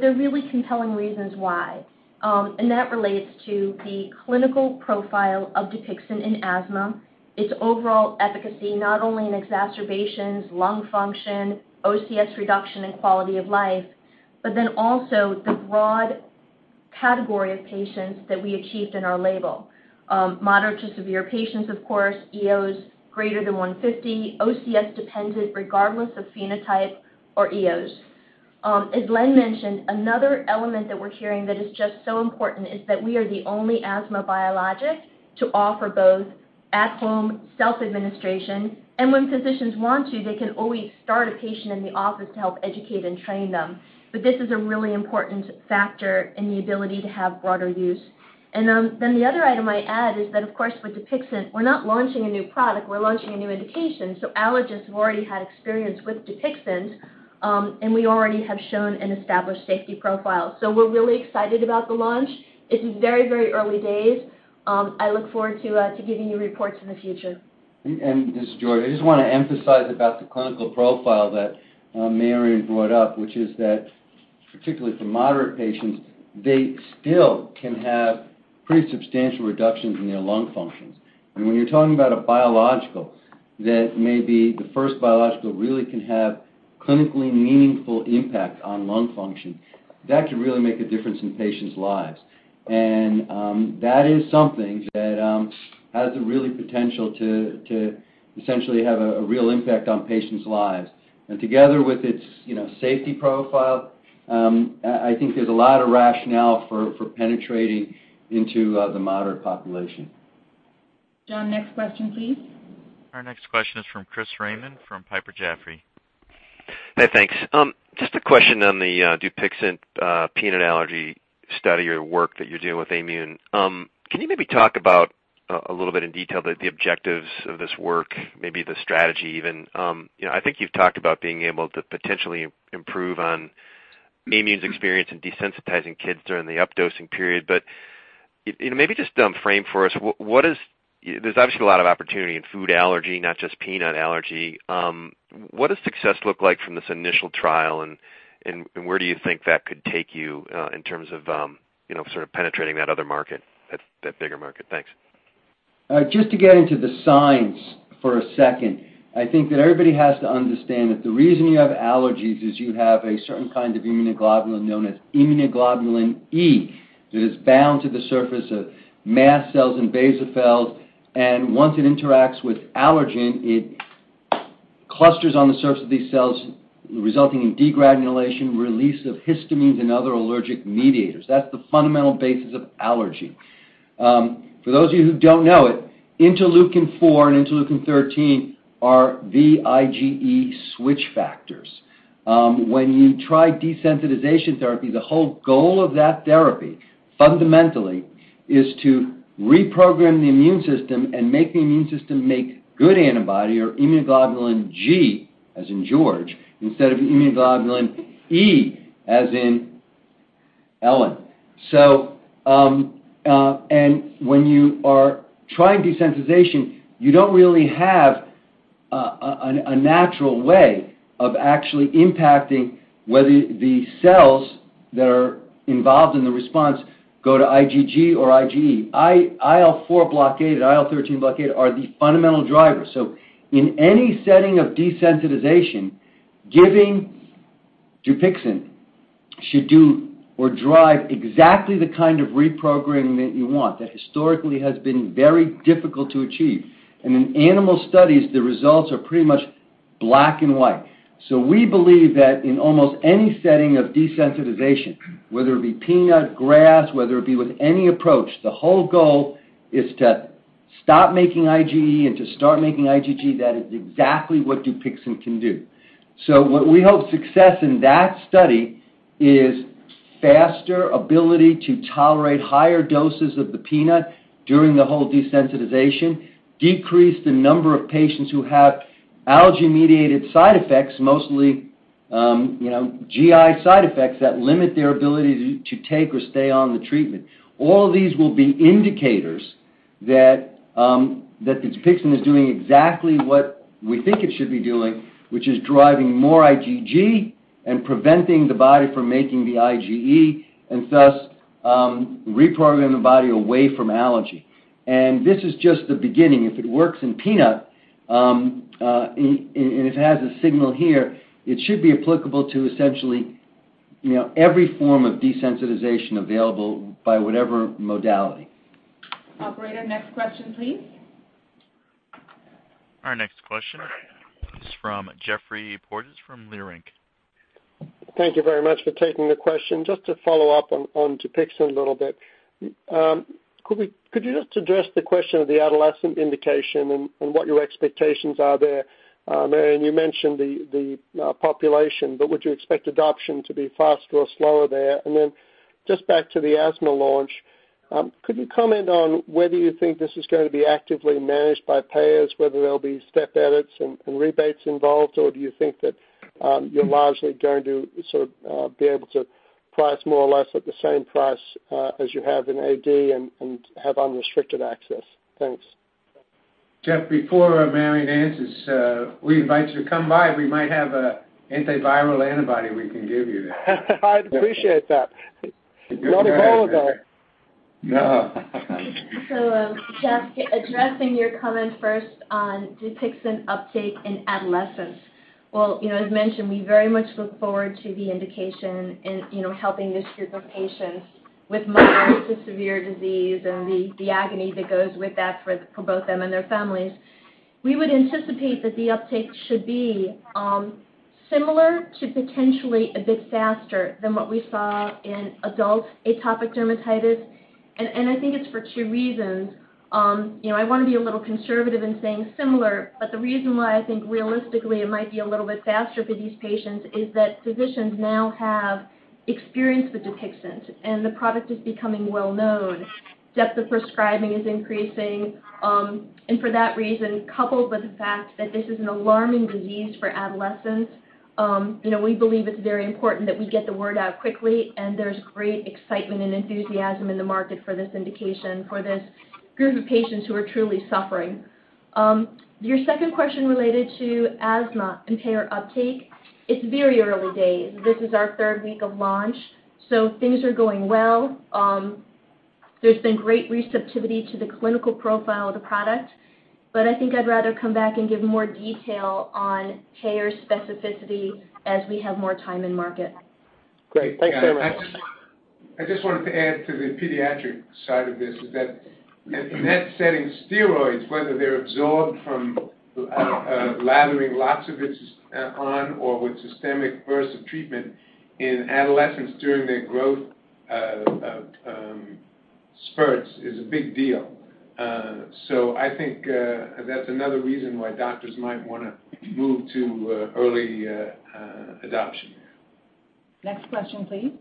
There are really compelling reasons why, and that relates to the clinical profile of DUPIXENT in asthma, its overall efficacy, not only in exacerbations, lung function, OCS reduction, and quality of life, but also the broad category of patients that we achieved in our label. Moderate to severe patients, of course, EOs greater than 150, OCS-dependent regardless of phenotype or EOs. As Len mentioned, another element that we're hearing that is just so important is that we are the only asthma biologic to offer both at-home self-administration, and when physicians want to, they can always start a patient in the office to help educate and train them. This is a really important factor in the ability to have broader use. The other item I add is that, of course, with DUPIXENT, we're not launching a new product, we're launching a new indication. Allergists have already had experience with DUPIXENT, and we already have shown an established safety profile. We're really excited about the launch. It's very early days. I look forward to giving you reports in the future. This is George. I just want to emphasize about the clinical profile that Marion brought up, which is that particularly for moderate patients, they still can have pretty substantial reductions in their lung functions. When you're talking about a biological that may be the first biological really can have clinically meaningful impact on lung function, that could really make a difference in patients' lives. That is something that has a really potential to essentially have a real impact on patients' lives. Together with its safety profile, I think there's a lot of rationale for penetrating into the moderate population. John, next question, please. Our next question is from Chris Raymond from Piper Jaffray. Hey, thanks. Just a question on the DUPIXENT peanut allergy study or work that you're doing with Aimmune. Can you maybe talk about, a little bit in detail, the objectives of this work, maybe the strategy even? I think you've talked about being able to potentially improve on Aimmune's experience in desensitizing kids during the up-dosing period. Maybe just frame for us, there's obviously a lot of opportunity in food allergy, not just peanut allergy. What does success look like from this initial trial, and where do you think that could take you in terms of penetrating that other market, that bigger market? Thanks. Just to get into the science for a second, I think that everybody has to understand that the reason you have allergies is you have a certain kind of immunoglobulin known as immunoglobulin E that is bound to the surface of mast cells and basophils. Once it interacts with allergen, it clusters on the surface of these cells, resulting in degranulation, release of histamines, and other allergic mediators. That's the fundamental basis of allergy. For those of you who don't know it, interleukin-4 and interleukin-13 are the IgE switch factors. When you try desensitization therapy, the whole goal of that therapy, fundamentally, is to reprogram the immune system and make the immune system make good antibody or immunoglobulin G, as in George, instead of immunoglobulin E, as in- Ellen. When you are trying desensitization, you don't really have a natural way of actually impacting whether the cells that are involved in the response go to IgG or IgE. IL-4 blockade and IL-13 blockade are the fundamental drivers. In any setting of desensitization, giving DUPIXENT should do or drive exactly the kind of reprogramming that you want that historically has been very difficult to achieve. In animal studies, the results are pretty much black and white. We believe that in almost any setting of desensitization, whether it be peanut, grass, whether it be with any approach, the whole goal is to stop making IgE and to start making IgG. That is exactly what DUPIXENT can do. What we hope success in that study is faster ability to tolerate higher doses of the peanut during the whole desensitization, decrease the number of patients who have allergy-mediated side effects, mostly GI side effects that limit their ability to take or stay on the treatment. All of these will be indicators that the DUPIXENT is doing exactly what we think it should be doing, which is driving more IgG and preventing the body from making the IgE, and thus, reprogram the body away from allergy. This is just the beginning. If it works in peanut, and it has a signal here, it should be applicable to essentially every form of desensitization available by whatever modality. Operator, next question, please. Our next question is from Geoffrey Porges from Leerink. Thank you very much for taking the question. Just to follow up on DUPIXENT a little bit. Could you just address the question of the adolescent indication and what your expectations are there? Marion, you mentioned the population, but would you expect adoption to be faster or slower there? Then just back to the asthma launch, could you comment on whether you think this is going to be actively managed by payers, whether there'll be step edits and rebates involved, or do you think that you're largely going to be able to price more or less at the same price as you have in AD and have unrestricted access? Thanks. Geoff, before Marion answers, we invite you to come by. We might have an antiviral antibody we can give you. I'd appreciate that. Not Ebola, though. No. Geoff, addressing your comment first on DUPIXENT uptake in adolescents. As mentioned, we very much look forward to the indication in helping this group of patients with moderate to severe disease and the agony that goes with that for both them and their families. We would anticipate that the uptake should be similar to potentially a bit faster than what we saw in adult atopic dermatitis. I think it's for two reasons. I want to be a little conservative in saying similar, the reason why I think realistically it might be a little bit faster for these patients is that physicians now have experience with DUPIXENT, and the product is becoming well-known. Depth of prescribing is increasing. For that reason, coupled with the fact that this is an alarming disease for adolescents, we believe it's very important that we get the word out quickly. There's great excitement and enthusiasm in the market for this indication for this group of patients who are truly suffering. Your second question related to asthma and payer uptake. It's very early days. This is our third week of launch. Things are going well. There's been great receptivity to the clinical profile of the product. I think I'd rather come back and give more detail on payer specificity as we have more time in market. Great. Thanks very much. I just wanted to add to the pediatric side of this is that in that setting, steroids, whether they're absorbed from lathering lots of it on or with systemic burst of treatment in adolescents during their growth spurts is a big deal. I think that's another reason why doctors might want to move to early adoption. Next question, please.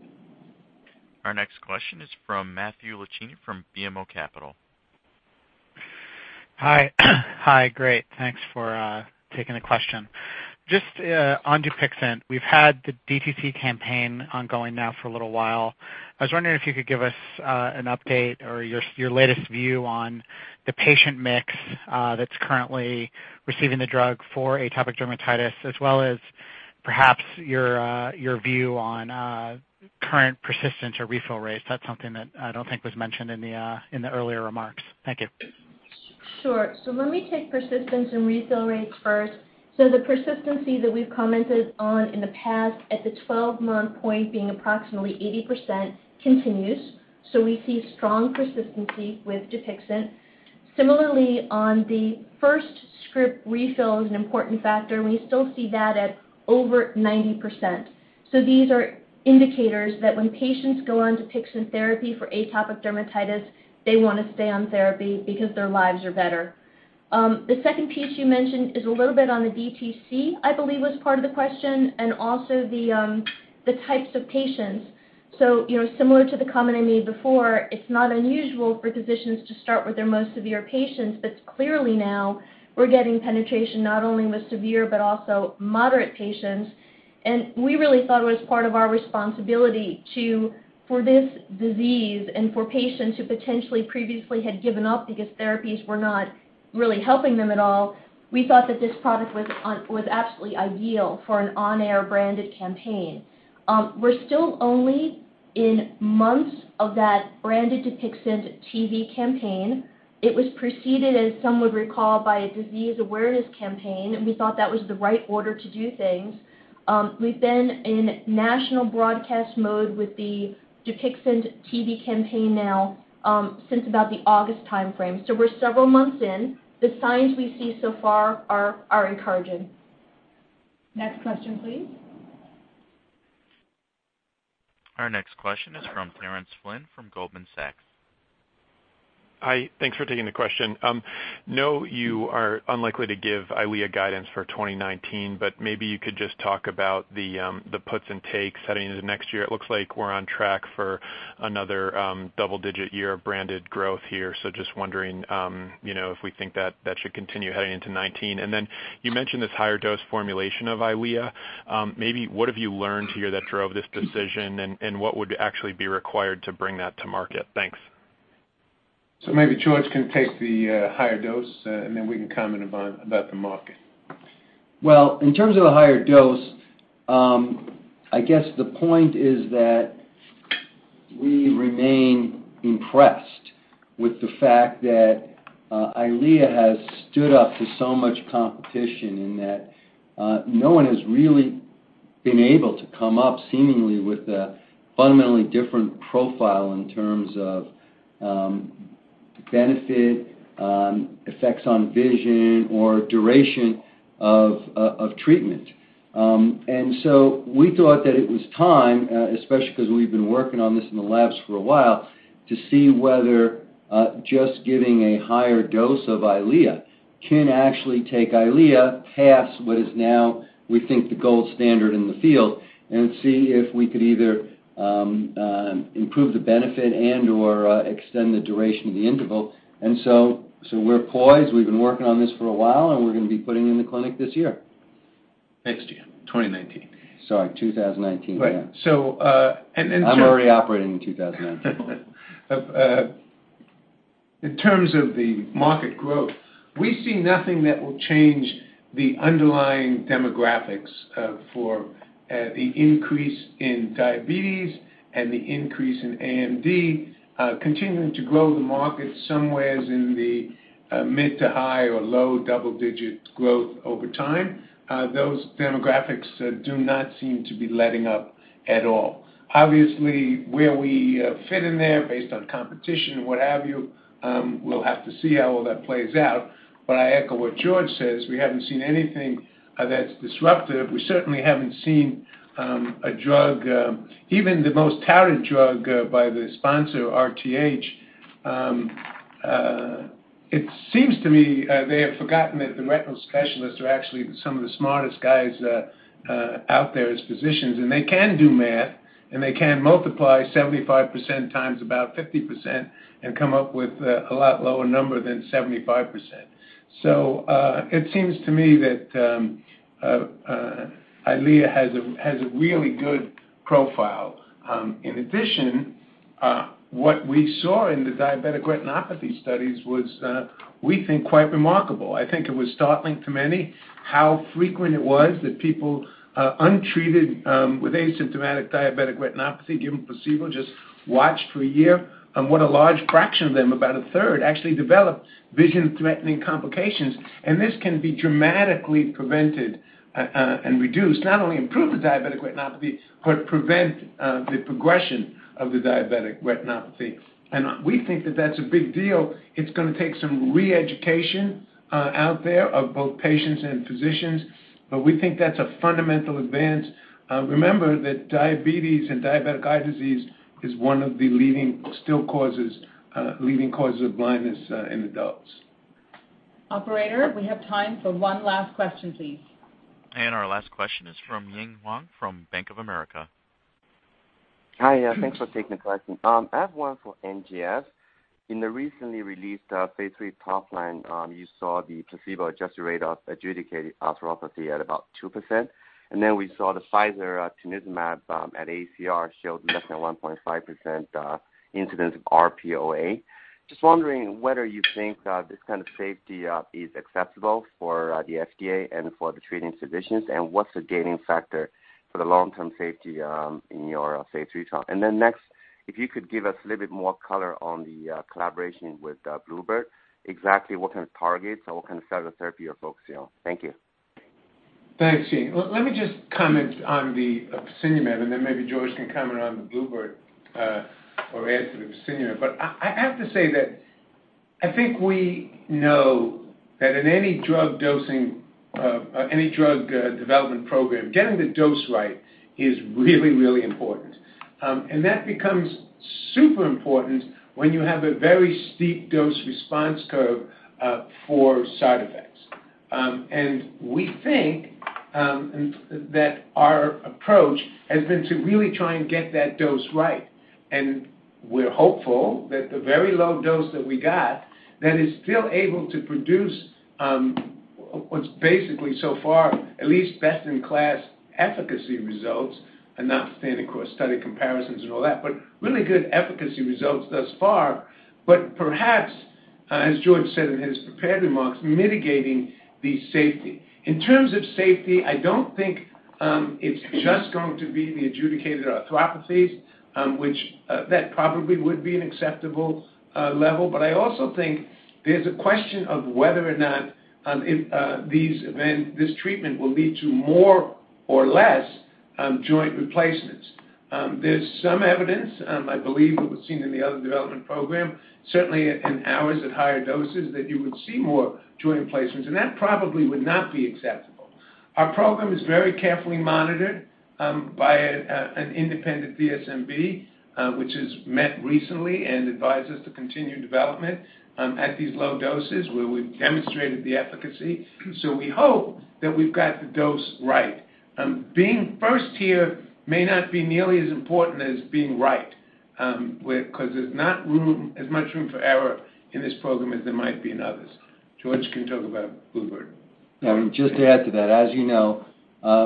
Our next question is from Matthew Luchini from BMO Capital. Hi. Hi, great. Thanks for taking the question. Just on DUPIXENT, we've had the DTC campaign ongoing now for a little while. I was wondering if you could give us an update or your latest view on the patient mix that's currently receiving the drug for atopic dermatitis as well as perhaps your view on current persistence or refill rates. That's something that I don't think was mentioned in the earlier remarks. Thank you. Sure. Let me take persistence and refill rates first. The persistency that we've commented on in the past at the 12-month point being approximately 80% continues. We see strong persistency with DUPIXENT. Similarly, on the first script refill is an important factor, and we still see that at over 90%. These are indicators that when patients go on DUPIXENT therapy for atopic dermatitis, they want to stay on therapy because their lives are better. The second piece you mentioned is a little bit on the DTC, I believe was part of the question, and also the types of patients. Similar to the comment I made before, it's not unusual for physicians to start with their most severe patients. Clearly now we're getting penetration not only with severe but also moderate patients. We really thought it was part of our responsibility to, for this disease and for patients who potentially previously had given up because therapies were not really helping them at all, we thought that this product was absolutely ideal for an on-air branded campaign. We're still only in months of that branded DUPIXENT TV campaign. It was preceded, as some would recall, by a disease awareness campaign. We thought that was the right order to do things. We've been in national broadcast mode with the DUPIXENT TV campaign now since about the August timeframe. We're several months in. The signs we see so far are encouraging. Next question, please. Our next question is from Terence Flynn from Goldman Sachs. Hi. Thanks for taking the question. Know you are unlikely to give EYLEA guidance for 2019, maybe you could just talk about the puts and takes heading into next year. It looks like we're on track for another double-digit year of branded growth here. Just wondering if we think that that should continue heading into 2019. Then you mentioned this higher dose formulation of EYLEA. Maybe what have you learned here that drove this decision and what would actually be required to bring that to market? Thanks. Maybe George can take the higher dose, and then we can comment about the market. Well, in terms of the higher dose, I guess the point is that we remain impressed with the fact that EYLEA has stood up to so much competition and that no one has really been able to come up seemingly with a fundamentally different profile in terms of benefit, effects on vision, or duration of treatment. We thought that it was time, especially because we've been working on this in the labs for a while, to see whether just giving a higher dose of EYLEA can actually take EYLEA past what is now, we think, the gold standard in the field, and see if we could either improve the benefit and/or extend the duration of the interval. We're poised. We've been working on this for a while, and we're going to be putting it in the clinic this year. Next year, 2019. Sorry, 2019, yeah. Right. I'm already operating in 2019. In terms of the market growth, we see nothing that will change the underlying demographics for the increase in diabetes and the increase in AMD continuing to grow the market somewheres in the mid to high or low double-digit growth over time. Those demographics do not seem to be letting up at all. Obviously, where we fit in there based on competition and what have you, we'll have to see how all that plays out. I echo what George says, we haven't seen anything that's disruptive. We certainly haven't seen a drug, even the most touted drug by the sponsor, Roche, it seems to me they have forgotten that the retinal specialists are actually some of the smartest guys out there as physicians, and they can do math, and they can multiply 75% times about 50% and come up with a lot lower number than 75%. It seems to me that EYLEA has a really good profile. In addition, what we saw in the diabetic retinopathy studies was, we think, quite remarkable. I think it was startling to many how frequent it was that people untreated with asymptomatic diabetic retinopathy, given a placebo, just watched for a year, and what a large fraction of them, about a third, actually developed vision-threatening complications. This can be dramatically prevented and reduced, not only improve the diabetic retinopathy, but prevent the progression of the diabetic retinopathy. We think that that's a big deal. It's going to take some re-education out there of both patients and physicians, but we think that's a fundamental advance. Remember that diabetes and diabetic eye disease is one of the leading still causes of blindness in adults. Operator, we have time for one last question, please. Our last question is from Ying Huang from Bank of America. Hi, thanks for taking the question. I have one for NGF. In the recently released phase III top line, you saw the placebo-adjusted rate of adjudicated arthropathy at about 2%. We saw the Pfizer tanezumab at ACR showed less than 1.5% incidence of RPOA. Just wondering whether you think this kind of safety is acceptable for the FDA and for the treating physicians, and what's the gating factor for the long-term safety in your phase III trial? Next, if you could give us a little bit more color on the collaboration with bluebird bio, exactly what kind of targets or what kind of cell therapy you're focusing on. Thank you. Thanks, Ying. Let me just comment on the fasinumab, then maybe George can comment on the bluebird bio or add to the fasinumab. I have to say that I think we know that in any drug dosing or any drug development program, getting the dose right is really, really important. That becomes super important when you have a very steep dose response curve for side effects. We think that our approach has been to really try and get that dose right. And we're hopeful that the very low dose that we got, that is still able to produce what's basically so far, at least best-in-class efficacy results and not standing across study comparisons and all that, but really good efficacy results thus far. Perhaps, as George said in his prepared remarks, mitigating the safety. In terms of safety, I don't think it's just going to be the adjudicated arthropathies, which that probably would be an acceptable level. I also think there's a question of whether or not this treatment will lead to more or less joint replacements. There's some evidence, I believe it was seen in the other development program, certainly in ours at higher doses, that you would see more joint replacements, and that probably would not be acceptable. Our program is very carefully monitored by an independent DSMB, which has met recently and advised us to continue development at these low doses where we've demonstrated the efficacy. We hope that we've got the dose right. Being first here may not be nearly as important as being right, because there's not as much room for error in this program as there might be in others. George can talk about bluebird. Yeah, just to add to that, as you know,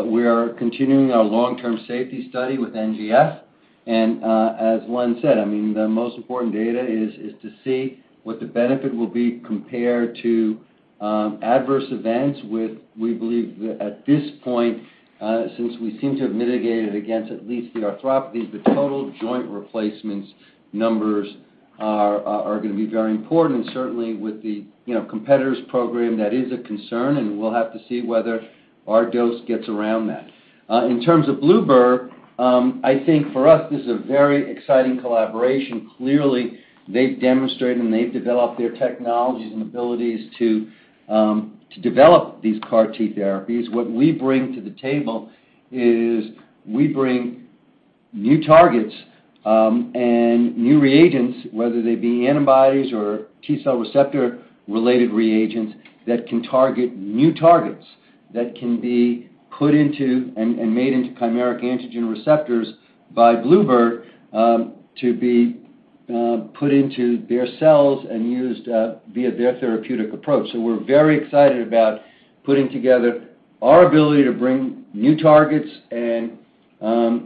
we are continuing our long-term safety study with NGF. As Len said, the most important data is to see what the benefit will be compared to adverse events with, we believe, at this point, since we seem to have mitigated against at least the arthropathies, the total joint replacements numbers are going to be very important. Certainly with the competitors' program, that is a concern, and we'll have to see whether our dose gets around that. In terms of bluebird, I think for us, this is a very exciting collaboration. Clearly, they've demonstrated and they've developed their technologies and abilities to develop these CAR T therapies. What we bring to the table is we bring new targets and new reagents, whether they be antibodies or T-cell receptor-related reagents that can target new targets that can be put into and made into chimeric antigen receptors by bluebird to be put into their cells and used via their therapeutic approach. We're very excited about putting together our ability to bring new targets and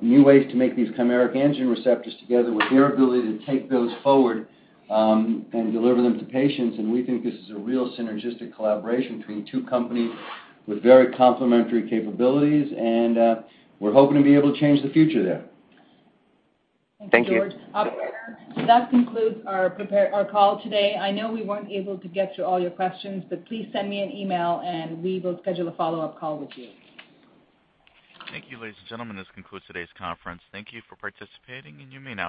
new ways to make these chimeric antigen receptors together with their ability to take those forward and deliver them to patients. We think this is a real synergistic collaboration between two companies with very complementary capabilities, and we're hoping to be able to change the future there. Thank you. That concludes our call today. I know we weren't able to get to all your questions, but please send me an email, and we will schedule a follow-up call with you. Thank you, ladies and gentlemen. This concludes today's conference. Thank you for participating, and you may now disconnect.